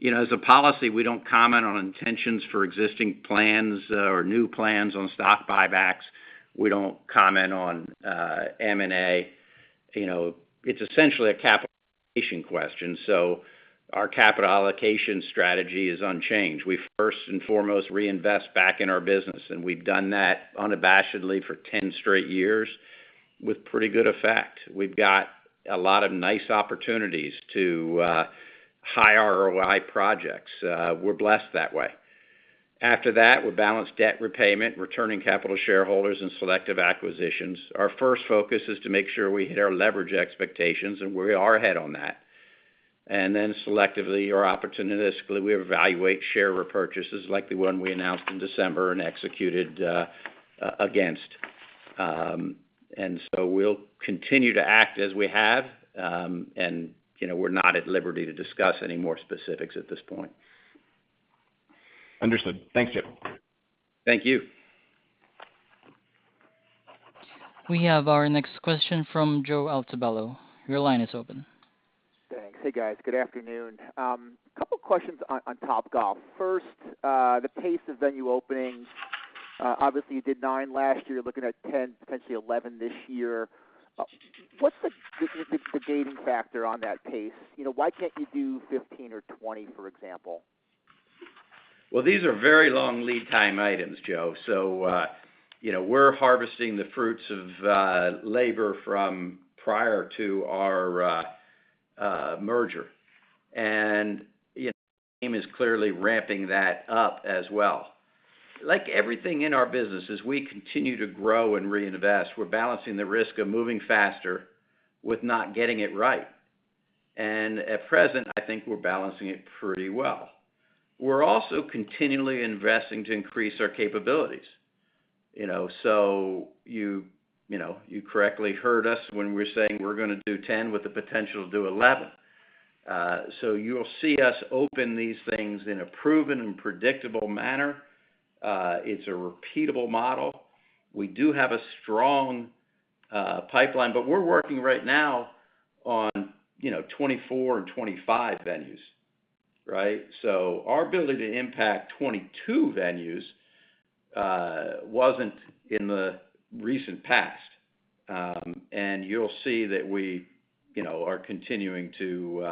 You know, as a policy, we don't comment on intentions for existing plans or new plans on stock buybacks. We don't comment on M&A. You know, it's essentially a capital allocation question, so our capital allocation strategy is unchanged. We first and foremost reinvest back in our business, and we've done that unabashedly for 10 straight years with pretty good effect. We've got a lot of nice opportunities to high ROI projects. We're blessed that way. After that, we balance debt repayment, returning capital to shareholders, and selective acquisitions. Our first focus is to make sure we hit our leverage expectations, and we are ahead on that. Selectively or opportunistically, we evaluate share repurchases like the one we announced in December and executed against. We'll continue to act as we have, and you know, we're not at liberty to discuss any more specifics at this point. Understood. Thanks, Chip. Thank you. We have our next question from Joe Altobello. Your line is open. Thanks. Hey, guys. Good afternoon. Couple questions on Topgolf. First, the pace of venue openings. Obviously you did 9 last year. You're looking at 10, potentially 11 this year. What's the gating factor on that pace? You know, why can't you do 15 or 20, for example? Well, these are very long lead time items, Joe. You know, we're harvesting the fruits of labor from prior to our merger. You know, the team is clearly ramping that up as well. Like everything in our business, as we continue to grow and reinvest, we're balancing the risk of moving faster with not getting it right. At present, I think we're balancing it pretty well. We're also continually investing to increase our capabilities, you know. You know, you correctly heard us when we're saying we're gonna do 10 with the potential to do 11. You'll see us open these things in a proven and predictable manner. It's a repeatable model. We do have a strong pipeline, but we're working right now on, you know, 2024 and 2025 venues, right? Our ability to impact 22 venues wasn't in the recent past. You'll see that we, you know, are continuing to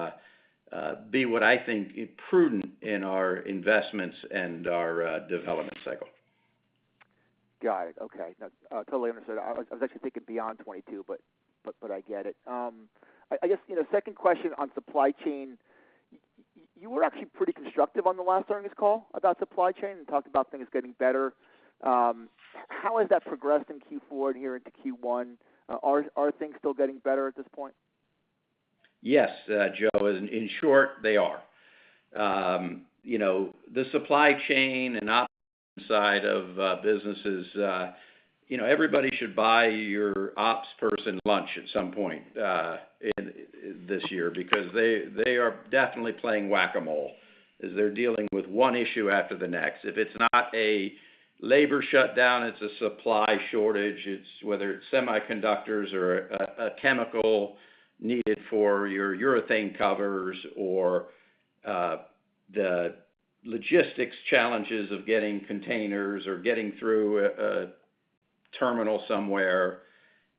be what I think is prudent in our investments and our development cycle. Got it. Okay. No, totally understood. I was actually thinking beyond 22, but I get it. I guess, you know, second question on supply chain. You were actually pretty constructive on the last earnings call about supply chain and talked about things getting better. How has that progressed in Q4 and here into Q1? Are things still getting better at this point? Yes, Joe. In short, they are you know, the supply chain and op side of businesses, you know, everybody should buy your ops person lunch at some point this year because they are definitely playing Whac-A-Mole as they're dealing with one issue after the next. If it's not a labor shutdown, it's a supply shortage, it's whether it's semiconductors or a chemical needed for your urethane covers or the logistics challenges of getting containers or getting through a terminal somewhere.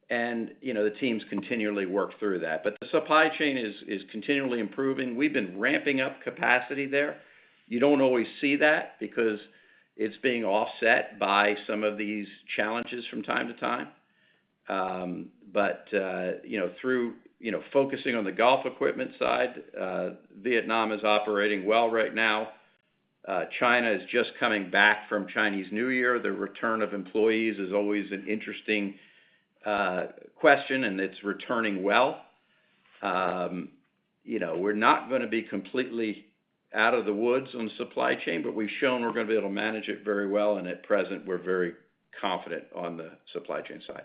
You know, the teams continually work through that. But the supply chain is continually improving. We've been ramping up capacity there. You don't always see that because it's being offset by some of these challenges from time to time. You know, through you know focusing on the Golf Equipment side, Vietnam is operating well right now. China is just coming back from Chinese New Year. The return of employees is always an interesting question, and it's returning well. You know, we're not gonna be completely out of the woods on supply chain, but we've shown we're gonna be able to manage it very well. At present, we're very confident on the supply chain side.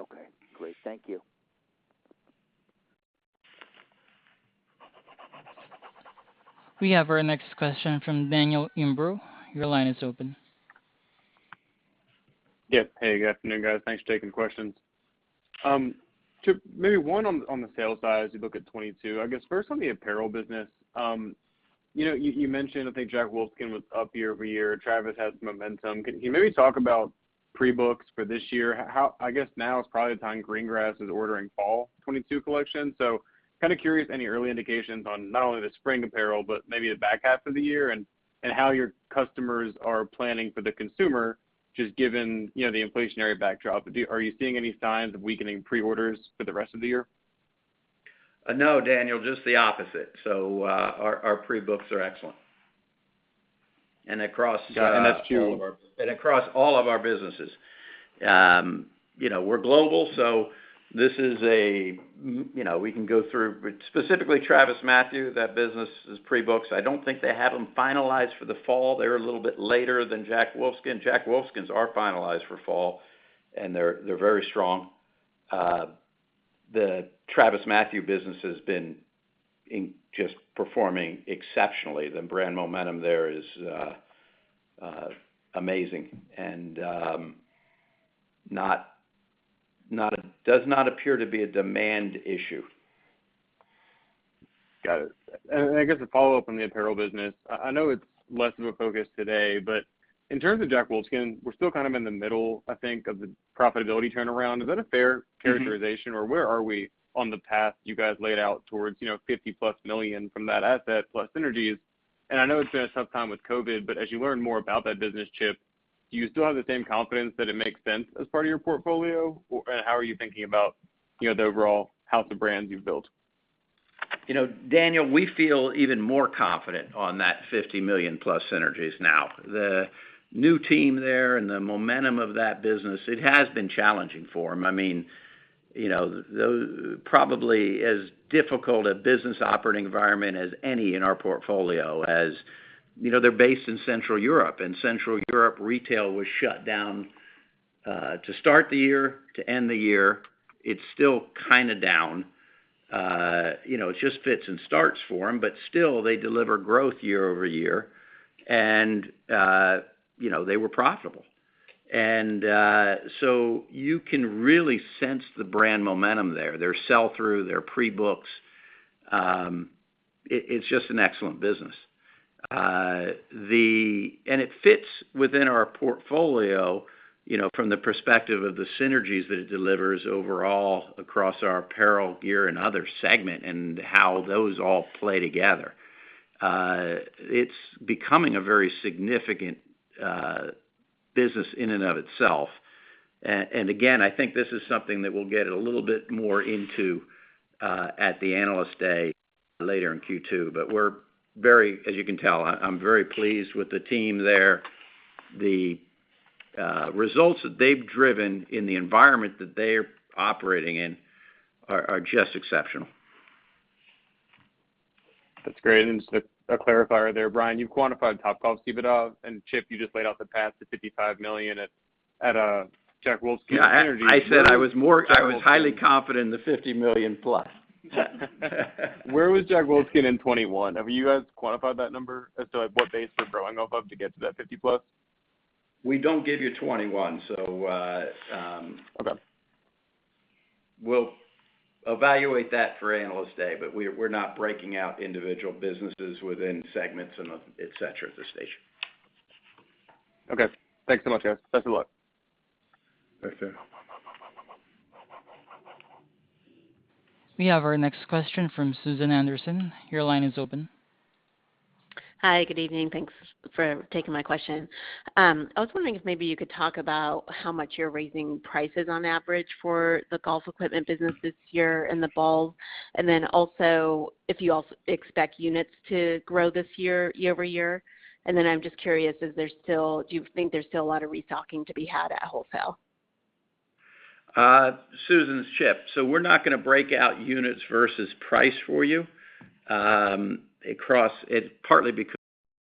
Okay, great. Thank you. We have our next question from Daniel Imbro. Your line is open. Yes. Hey, good afternoon, guys. Thanks for taking questions. Chip, maybe one on the sales side as you look at 2022. I guess first on the Apparel business, you know, you mentioned, I think, Jack Wolfskin was up year-over-year. Travis has momentum. Can you maybe talk about pre-books for this year? I guess now is probably the time green grass is ordering fall 2022 collection. So kind of curious any early indications on not only the spring Apparel, but maybe the back half of the year and how your customers are planning for the consumer, just given, you know, the inflationary backdrop. Are you seeing any signs of weakening pre-orders for the rest of the year? No, Daniel, just the opposite. Our pre-books are excellent. That's true. Across all of our businesses. You know, we're global, so this is a, you know, we can go through. Specifically TravisMathew, that business is pre-booked. I don't think they have them finalized for the fall. They're a little bit later than Jack Wolfskin. Jack Wolfskin's are finalized for fall, and they're very strong. The TravisMathew business has been just performing exceptionally. The brand momentum there is amazing. Does not appear to be a demand issue. Got it. I guess a follow-up on the Apparel business. I know it's less of a focus today, but in terms of Jack Wolfskin, we're still kind of in the middle, I think, of the profitability turnaround. Is that a fair characterization, or where are we on the path you guys laid out towards, you know, $50+ million from that asset plus synergies? I know it's been a tough time with COVID, but as you learn more about that business, Chip, do you still have the same confidence that it makes sense as part of your portfolio? And how are you thinking about, you know, the overall health of brands you've built? You know, Daniel, we feel even more confident on that $50 million plus synergies now. The new team there and the momentum of that business, it has been challenging for them. I mean, you know, probably as difficult a business operating environment as any in our portfolio. As you know, they're based in Central Europe, and Central Europe retail was shut down to start the year, to end the year. It's still kinda down. You know, it's just fits and starts for them, but still they deliver growth year-over-year and, you know, they were profitable. You can really sense the brand momentum there, their sell-through, their pre-books. It's just an excellent business. It fits within our portfolio, you know, from the perspective of the synergies that it delivers overall across our Apparel, Gear and other segment and how those all play together. It's becoming a very significant business in and of itself. Again, I think this is something that we'll get a little bit more into at the Analyst Day later in Q2. As you can tell, I'm very pleased with the team there. The results that they've driven in the environment that they're operating in are just exceptional. That's great. Just a clarifier there, Brian. You've quantified Topgolf EBITDA, and Chip, you just laid out the path to $55 million at Jack Wolfskin synergies. Yeah. I said I was highly confident in the $50 million plus. Where was Jack Wolfskin in 2021? Have you guys quantified that number as to what base you're growing off of to get to that 50-plus? We don't give you 21, so Okay We'll evaluate that for Analyst Day, but we're not breaking out individual businesses within segments and the et cetera at this stage. Okay. Thanks so much, guys. Best of luck. Thanks, Daniel. We have our next question from Susan Anderson. Your line is open. Hi. Good evening. Thanks for taking my question. I was wondering if maybe you could talk about how much you're raising prices on average for the Golf Equipment business this year and the ball. If you expect units to grow this year-over-year. I'm just curious, do you think there's still a lot of restocking to be had at wholesale? Susan, it's Chip. We're not gonna break out units versus price for you, partly because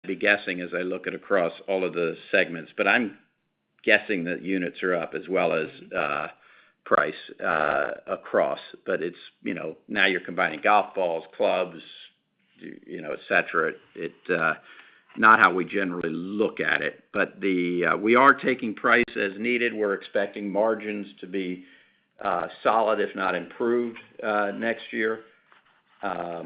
I'd be guessing as I look across all of the segments, but I'm guessing that units are up as well as price across. It's, you know, now you're combining Golf balls, clubs, you know, et cetera. It's not how we generally look at it. We are taking price as needed. We're expecting margins to be solid if not improved next year. I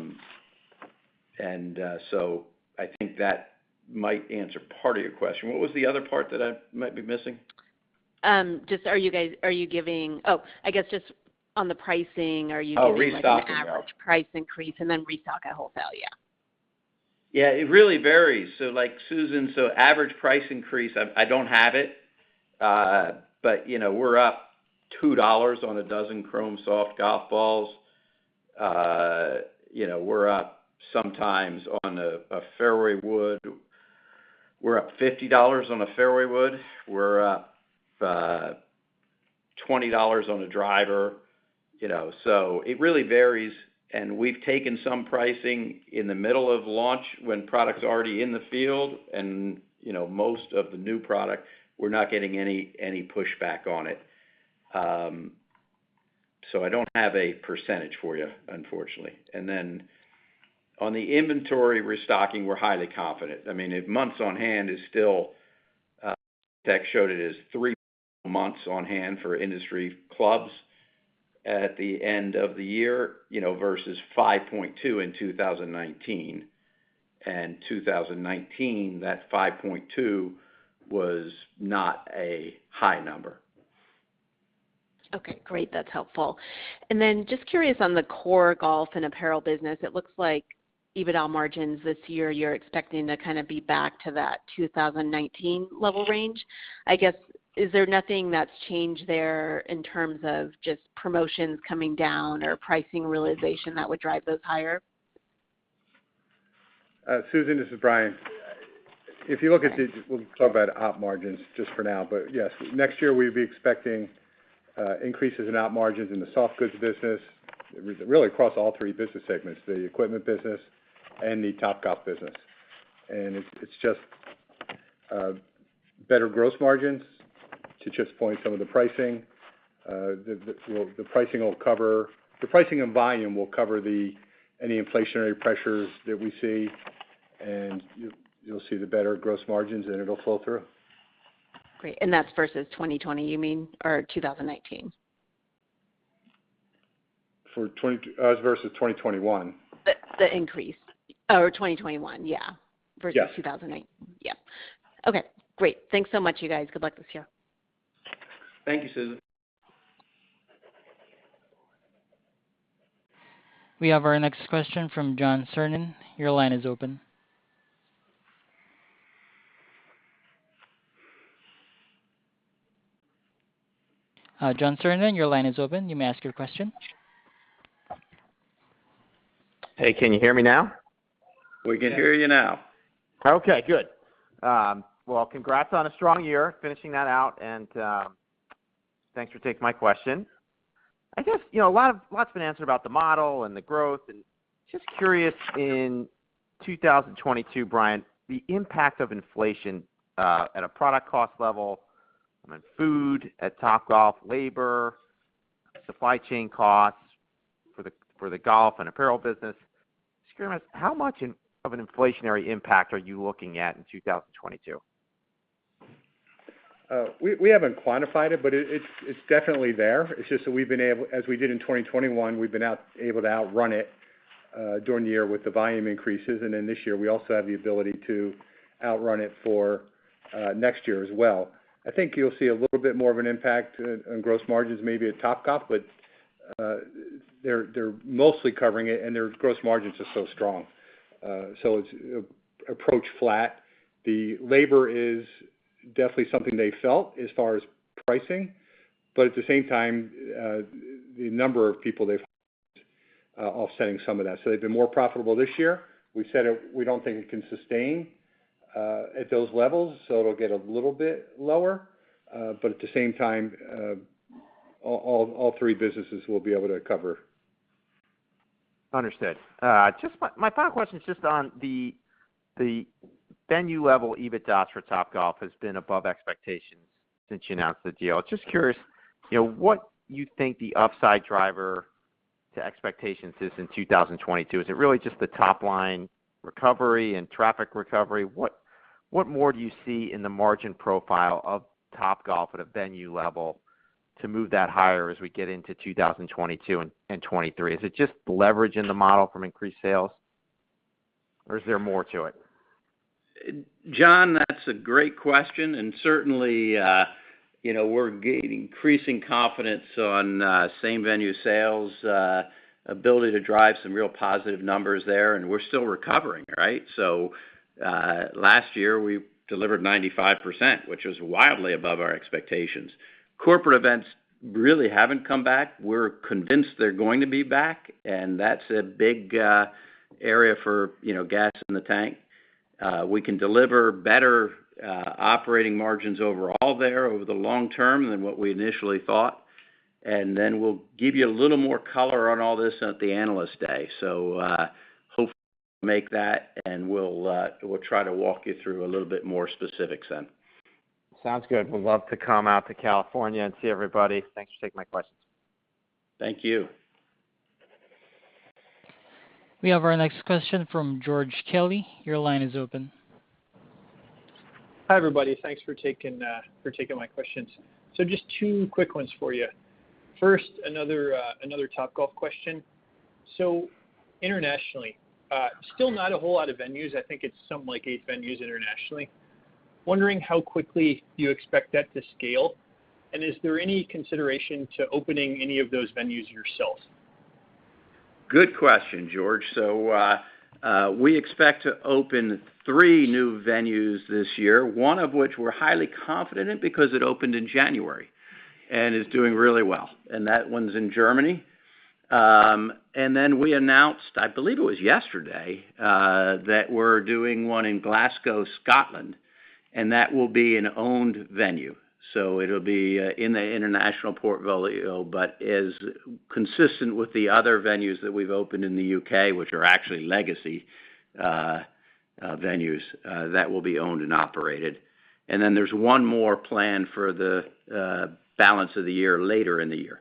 think that might answer part of your question. What was the other part that I might be missing? Oh, I guess just on the pricing, are you giving Oh, restocking. Like, an average price increase and then restock at wholesale, yeah. Yeah, it really varies. Average price increase, I don't have it. You know, we're up $2 on a dozen Chrome Soft Golf balls. You know, we're up sometimes on a fairway wood, we're up $50 on a fairway wood. We're up $20 on a driver, you know. It really varies, and we've taken some pricing in the middle of launch when product's already in the field and, you know, most of the new product, we're not getting any pushback on it. I don't have a percentage for you, unfortunately. Then on the inventory restocking, we're highly confident. I mean, if months on hand is still, [audio distortion showed it as three months on hand for industry clubs at the end of the year, you know, versus 5.2 in 2019. 2019, that 5.2 was not a high number. Okay, great. That's helpful. Then just curious on the core Golf and Apparel business. It looks like EBITDA margins this year, you're expecting to kinda be back to that 2019 level range. I guess, is there nothing that's changed there in terms of just promotions coming down or pricing realization that would drive those higher? Susan, this is Brian. If you look at the. We'll talk about op margins just for now. Yes, next year we'd be expecting increases in op margins in the soft goods business, really across all three business segments, the Equipment business and the Topgolf business. It's just better gross margins. To Chip's point, some of the pricing will cover. The pricing and volume will cover any inflationary pressures that we see, and you'll see the better gross margins, and it'll flow through. Great. That's versus 2020, you mean, or 2019? Versus 2021. The increase. Oh, 2021 versus 2019? Yeah. Okay, great. Thanks so much, you guys. Good luck this year. Thank you, Susan. We have our next question from John Kernan. Your line is open. John Kernan, your line is open. You may ask your question. Hey, can you hear me now? We can hear you now. Okay, good. Well, congrats on a strong year, finishing that out, and thanks for taking my question. I guess, you know, a lot's been answered about the model and the growth. Just curious in 2022, Brian, the impact of inflation at a product cost level on food at Topgolf, labor, supply chain costs for the Golf and Apparel business. Just curious, how much of an inflationary impact are you looking at in 2022? We haven't quantified it, but it's definitely there. It's just that, as we did in 2021, we've been able to outrun it during the year with the volume increases. This year, we also have the ability to outrun it for next year as well. I think you'll see a little bit more of an impact on gross margins, maybe at Topgolf, but they're mostly covering it, and their gross margins are so strong. It's approached flat. The labor is definitely something they felt as far as pricing, but at the same time, the number of people they've had, offsetting some of that. They've been more profitable this year. We've said it. We don't think it can sustain at those levels, so it'll get a little bit lower. At the same time, all three businesses will be able to cover. Understood. Just my final question is just on the venue-level EBITDA for Topgolf has been above expectations since you announced the deal. Just curious, you know, what you think the upside driver to expectations is in 2022. Is it really just the top line recovery and traffic recovery? What more do you see in the margin profile of Topgolf at a venue level to move that higher as we get into 2022 and 2023? Is it just leverage in the model from increased sales, or is there more to it? John, that's a great question, and certainly, you know, we're increasing confidence on same-venue sales ability to drive some real positive numbers there, and we're still recovering, right? Last year, we delivered 95%, which was wildly above our expectations. Corporate events really haven't come back. We're convinced they're going to be back, and that's a big area for, you know, gas in the tank. We can deliver better operating margins overall there over the long term than what we initially thought. Then we'll give you a little more color on all this at the Analyst Day. Hope you make that, and we'll try to walk you through a little bit more specifics then. Sounds good. Would love to come out to California and see everybody. Thanks for taking my questions. Thank you. We have our next question from George Kelly. Your line is open. Hi, everybody. Thanks for taking my questions. Just two quick ones for you. First, another Topgolf question. Internationally, still not a whole lot of venues. I think it's something like eight venues internationally. Wondering how quickly you expect that to scale, and is there any consideration to opening any of those venues yourselves? Good question, George. We expect to open three new venues this year, one of which we're highly confident in because it opened in January and is doing really well, and that one's in Germany. We announced, I believe it was yesterday, that we're doing one in Glasgow, Scotland, and that will be an owned venue. It'll be in the international portfolio, but as consistent with the other venues that we've opened in the U.K., which are actually legacy venues that will be owned and operated. There's one more plan for the balance of the year, later in the year.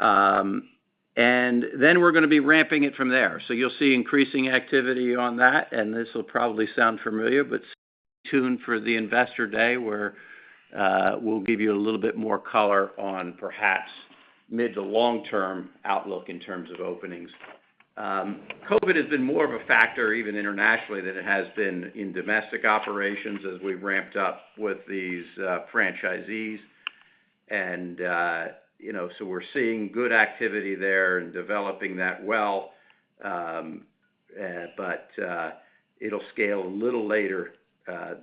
We're gonna be ramping it from there. You'll see increasing activity on that, and this will probably sound familiar, but stay tuned for the Investor Day, where we'll give you a little bit more color on perhaps mid- to long-term outlook in terms of openings. COVID has been more of a factor, even internationally, than it has been in domestic operations as we've ramped up with these franchisees. You know, we're seeing good activity there and developing that well, but it'll scale a little later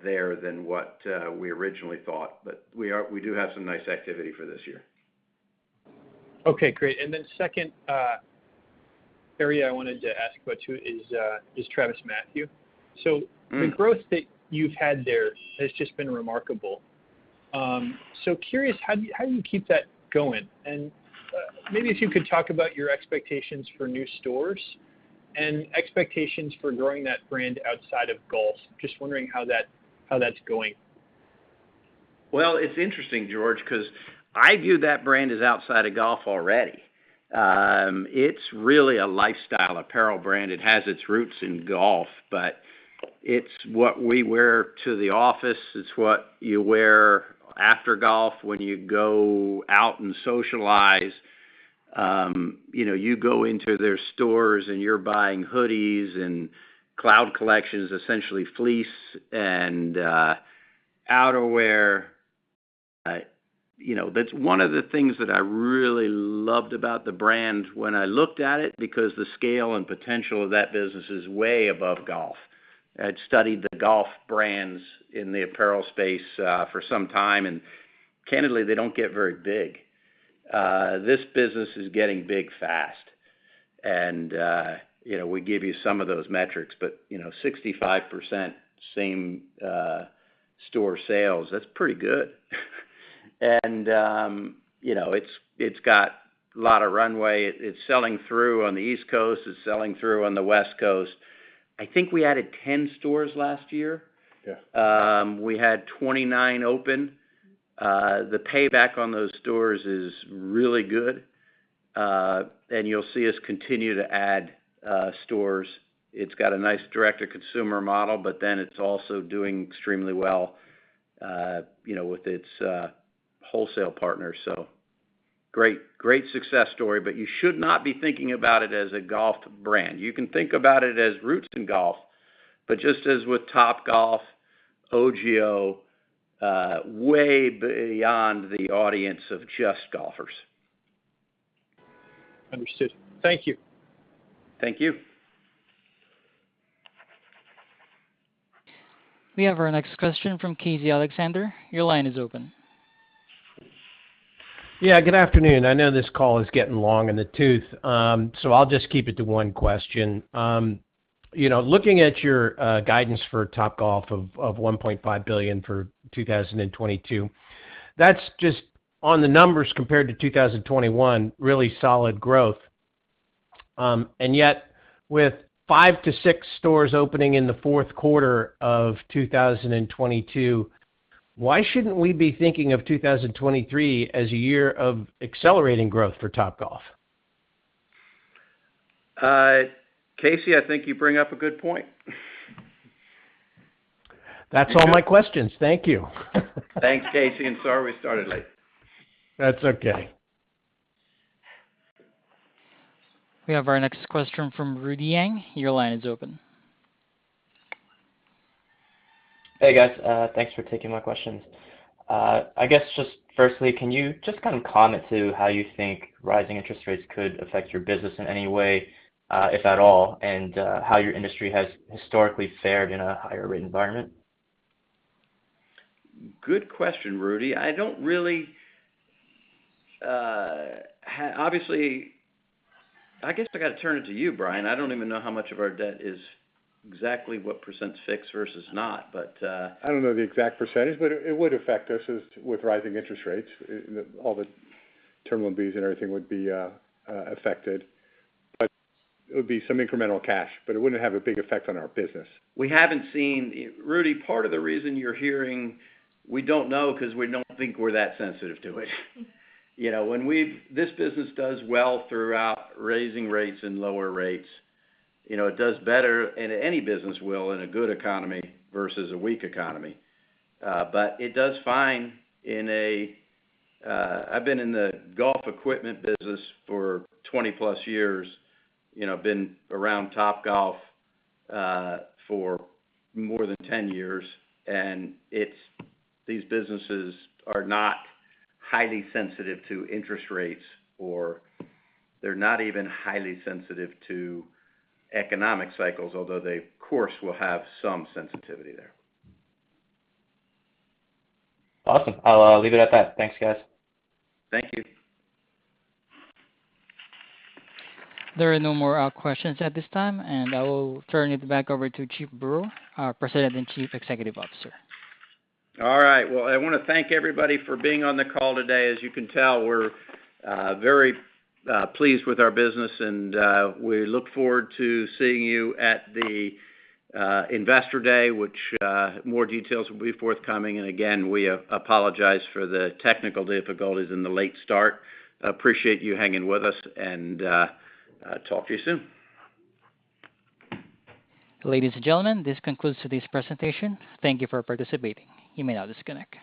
there than what we originally thought. We do have some nice activity for this year. Okay, great. Second, area I wanted to ask about too is TravisMathew. The growth that you've had there has just been remarkable. I'm so curious, how do you keep that going? Maybe if you could talk about your expectations for new stores and expectations for growing that brand outside of Golf. Just wondering how that's going? Well, it's interesting, George, 'cause I view that brand as outside of Golf already. It's really a Lifestyle Apparel brand. It has its roots in Golf, but it's what we wear to the office. It's what you wear after Golf when you go out and socialize. You know, you go into their stores, and you're buying hoodies and Cloud collections, essentially fleece and outerwear. You know, that's one of the things that I really loved about the brand when I looked at it because the scale and potential of that business is way above Golf. I'd studied the Golf brands in the Apparel space for some time, and candidly, they don't get very big. This business is getting big fast. You know, we gave you some of those metrics, but you know, 65% same-store sales, that's pretty good. You know, it's got a lot of runway. It's selling through on the East Coast. It's selling through on the West Coast. I think we added 10 stores last year. Yeah. We had 29 open. The payback on those stores is really good. You'll see us continue to add stores. It's got a nice direct-to-consumer model, but then it's also doing extremely well, you know, with its wholesale partners, so great success story. You should not be thinking about it as a Golf brand. You can think about it as roots in Golf, but just as with Topgolf, OGIO, way beyond the audience of just Golfers. Understood. Thank you. Thank you. We have our next question from Casey Alexander. Your line is open. Yeah, good afternoon. I know this call is getting long in the tooth, so I'll just keep it to one question. You know, looking at your guidance for Topgolf of $1.5 billion for 2022, that's just on the numbers compared to 2021, really solid growth. With 5-6 stores opening in the fourth quarter of 2022, why shouldn't we be thinking of 2023 as a year of accelerating growth for Topgolf? Casey, I think you bring up a good point. That's all my questions. Thank you. Thanks, Casey, and sorry we started late. That's okay. We have our next question from Rudy Yang. Your line is open. Hey, guys. Thanks for taking my questions. I guess just firstly, can you just kind of comment on how you think rising interest rates could affect your business in any way, if at all, and how your industry has historically fared in a higher rate environment? Good question, Rudy. I don't really, obviously. I guess I gotta turn it to you, Brian. I don't even know how much of our debt is exactly what percent's fixed versus not, but, I don't know the exact percentage, but it would affect us as with rising interest rates, all the terminal fees and everything would be affected. It would be some incremental cash, but it wouldn't have a big effect on our business. We haven't seen Rudy, part of the reason you're hearing we don't know, 'cause we don't think we're that sensitive to it. You know, this business does well throughout raising rates and lower rates, you know, it does better, and any business will in a good economy versus a weak economy. It does fine in a. I've been in the Golf Equipment business for 20-plus years. You know, been around Topgolf for more than 10 years, and these businesses are not highly sensitive to interest rates, or they're not even highly sensitive to economic cycles, although they of course will have some sensitivity there. Awesome. I'll leave it at that. Thanks, guys. Thank you. There are no more questions at this time, and I will turn it back over to Chip Brewer, our President and Chief Executive Officer. All right. Well, I wanna thank everybody for being on the call today. As you can tell, we're very pleased with our business, and we look forward to seeing you at the investor day, which more details will be forthcoming. Again, we apologize for the technical difficulties and the late start. Appreciate you hanging with us and talk to you soon. Ladies and gentlemen, this concludes today's presentation. Thank you for participating. You may now disconnect.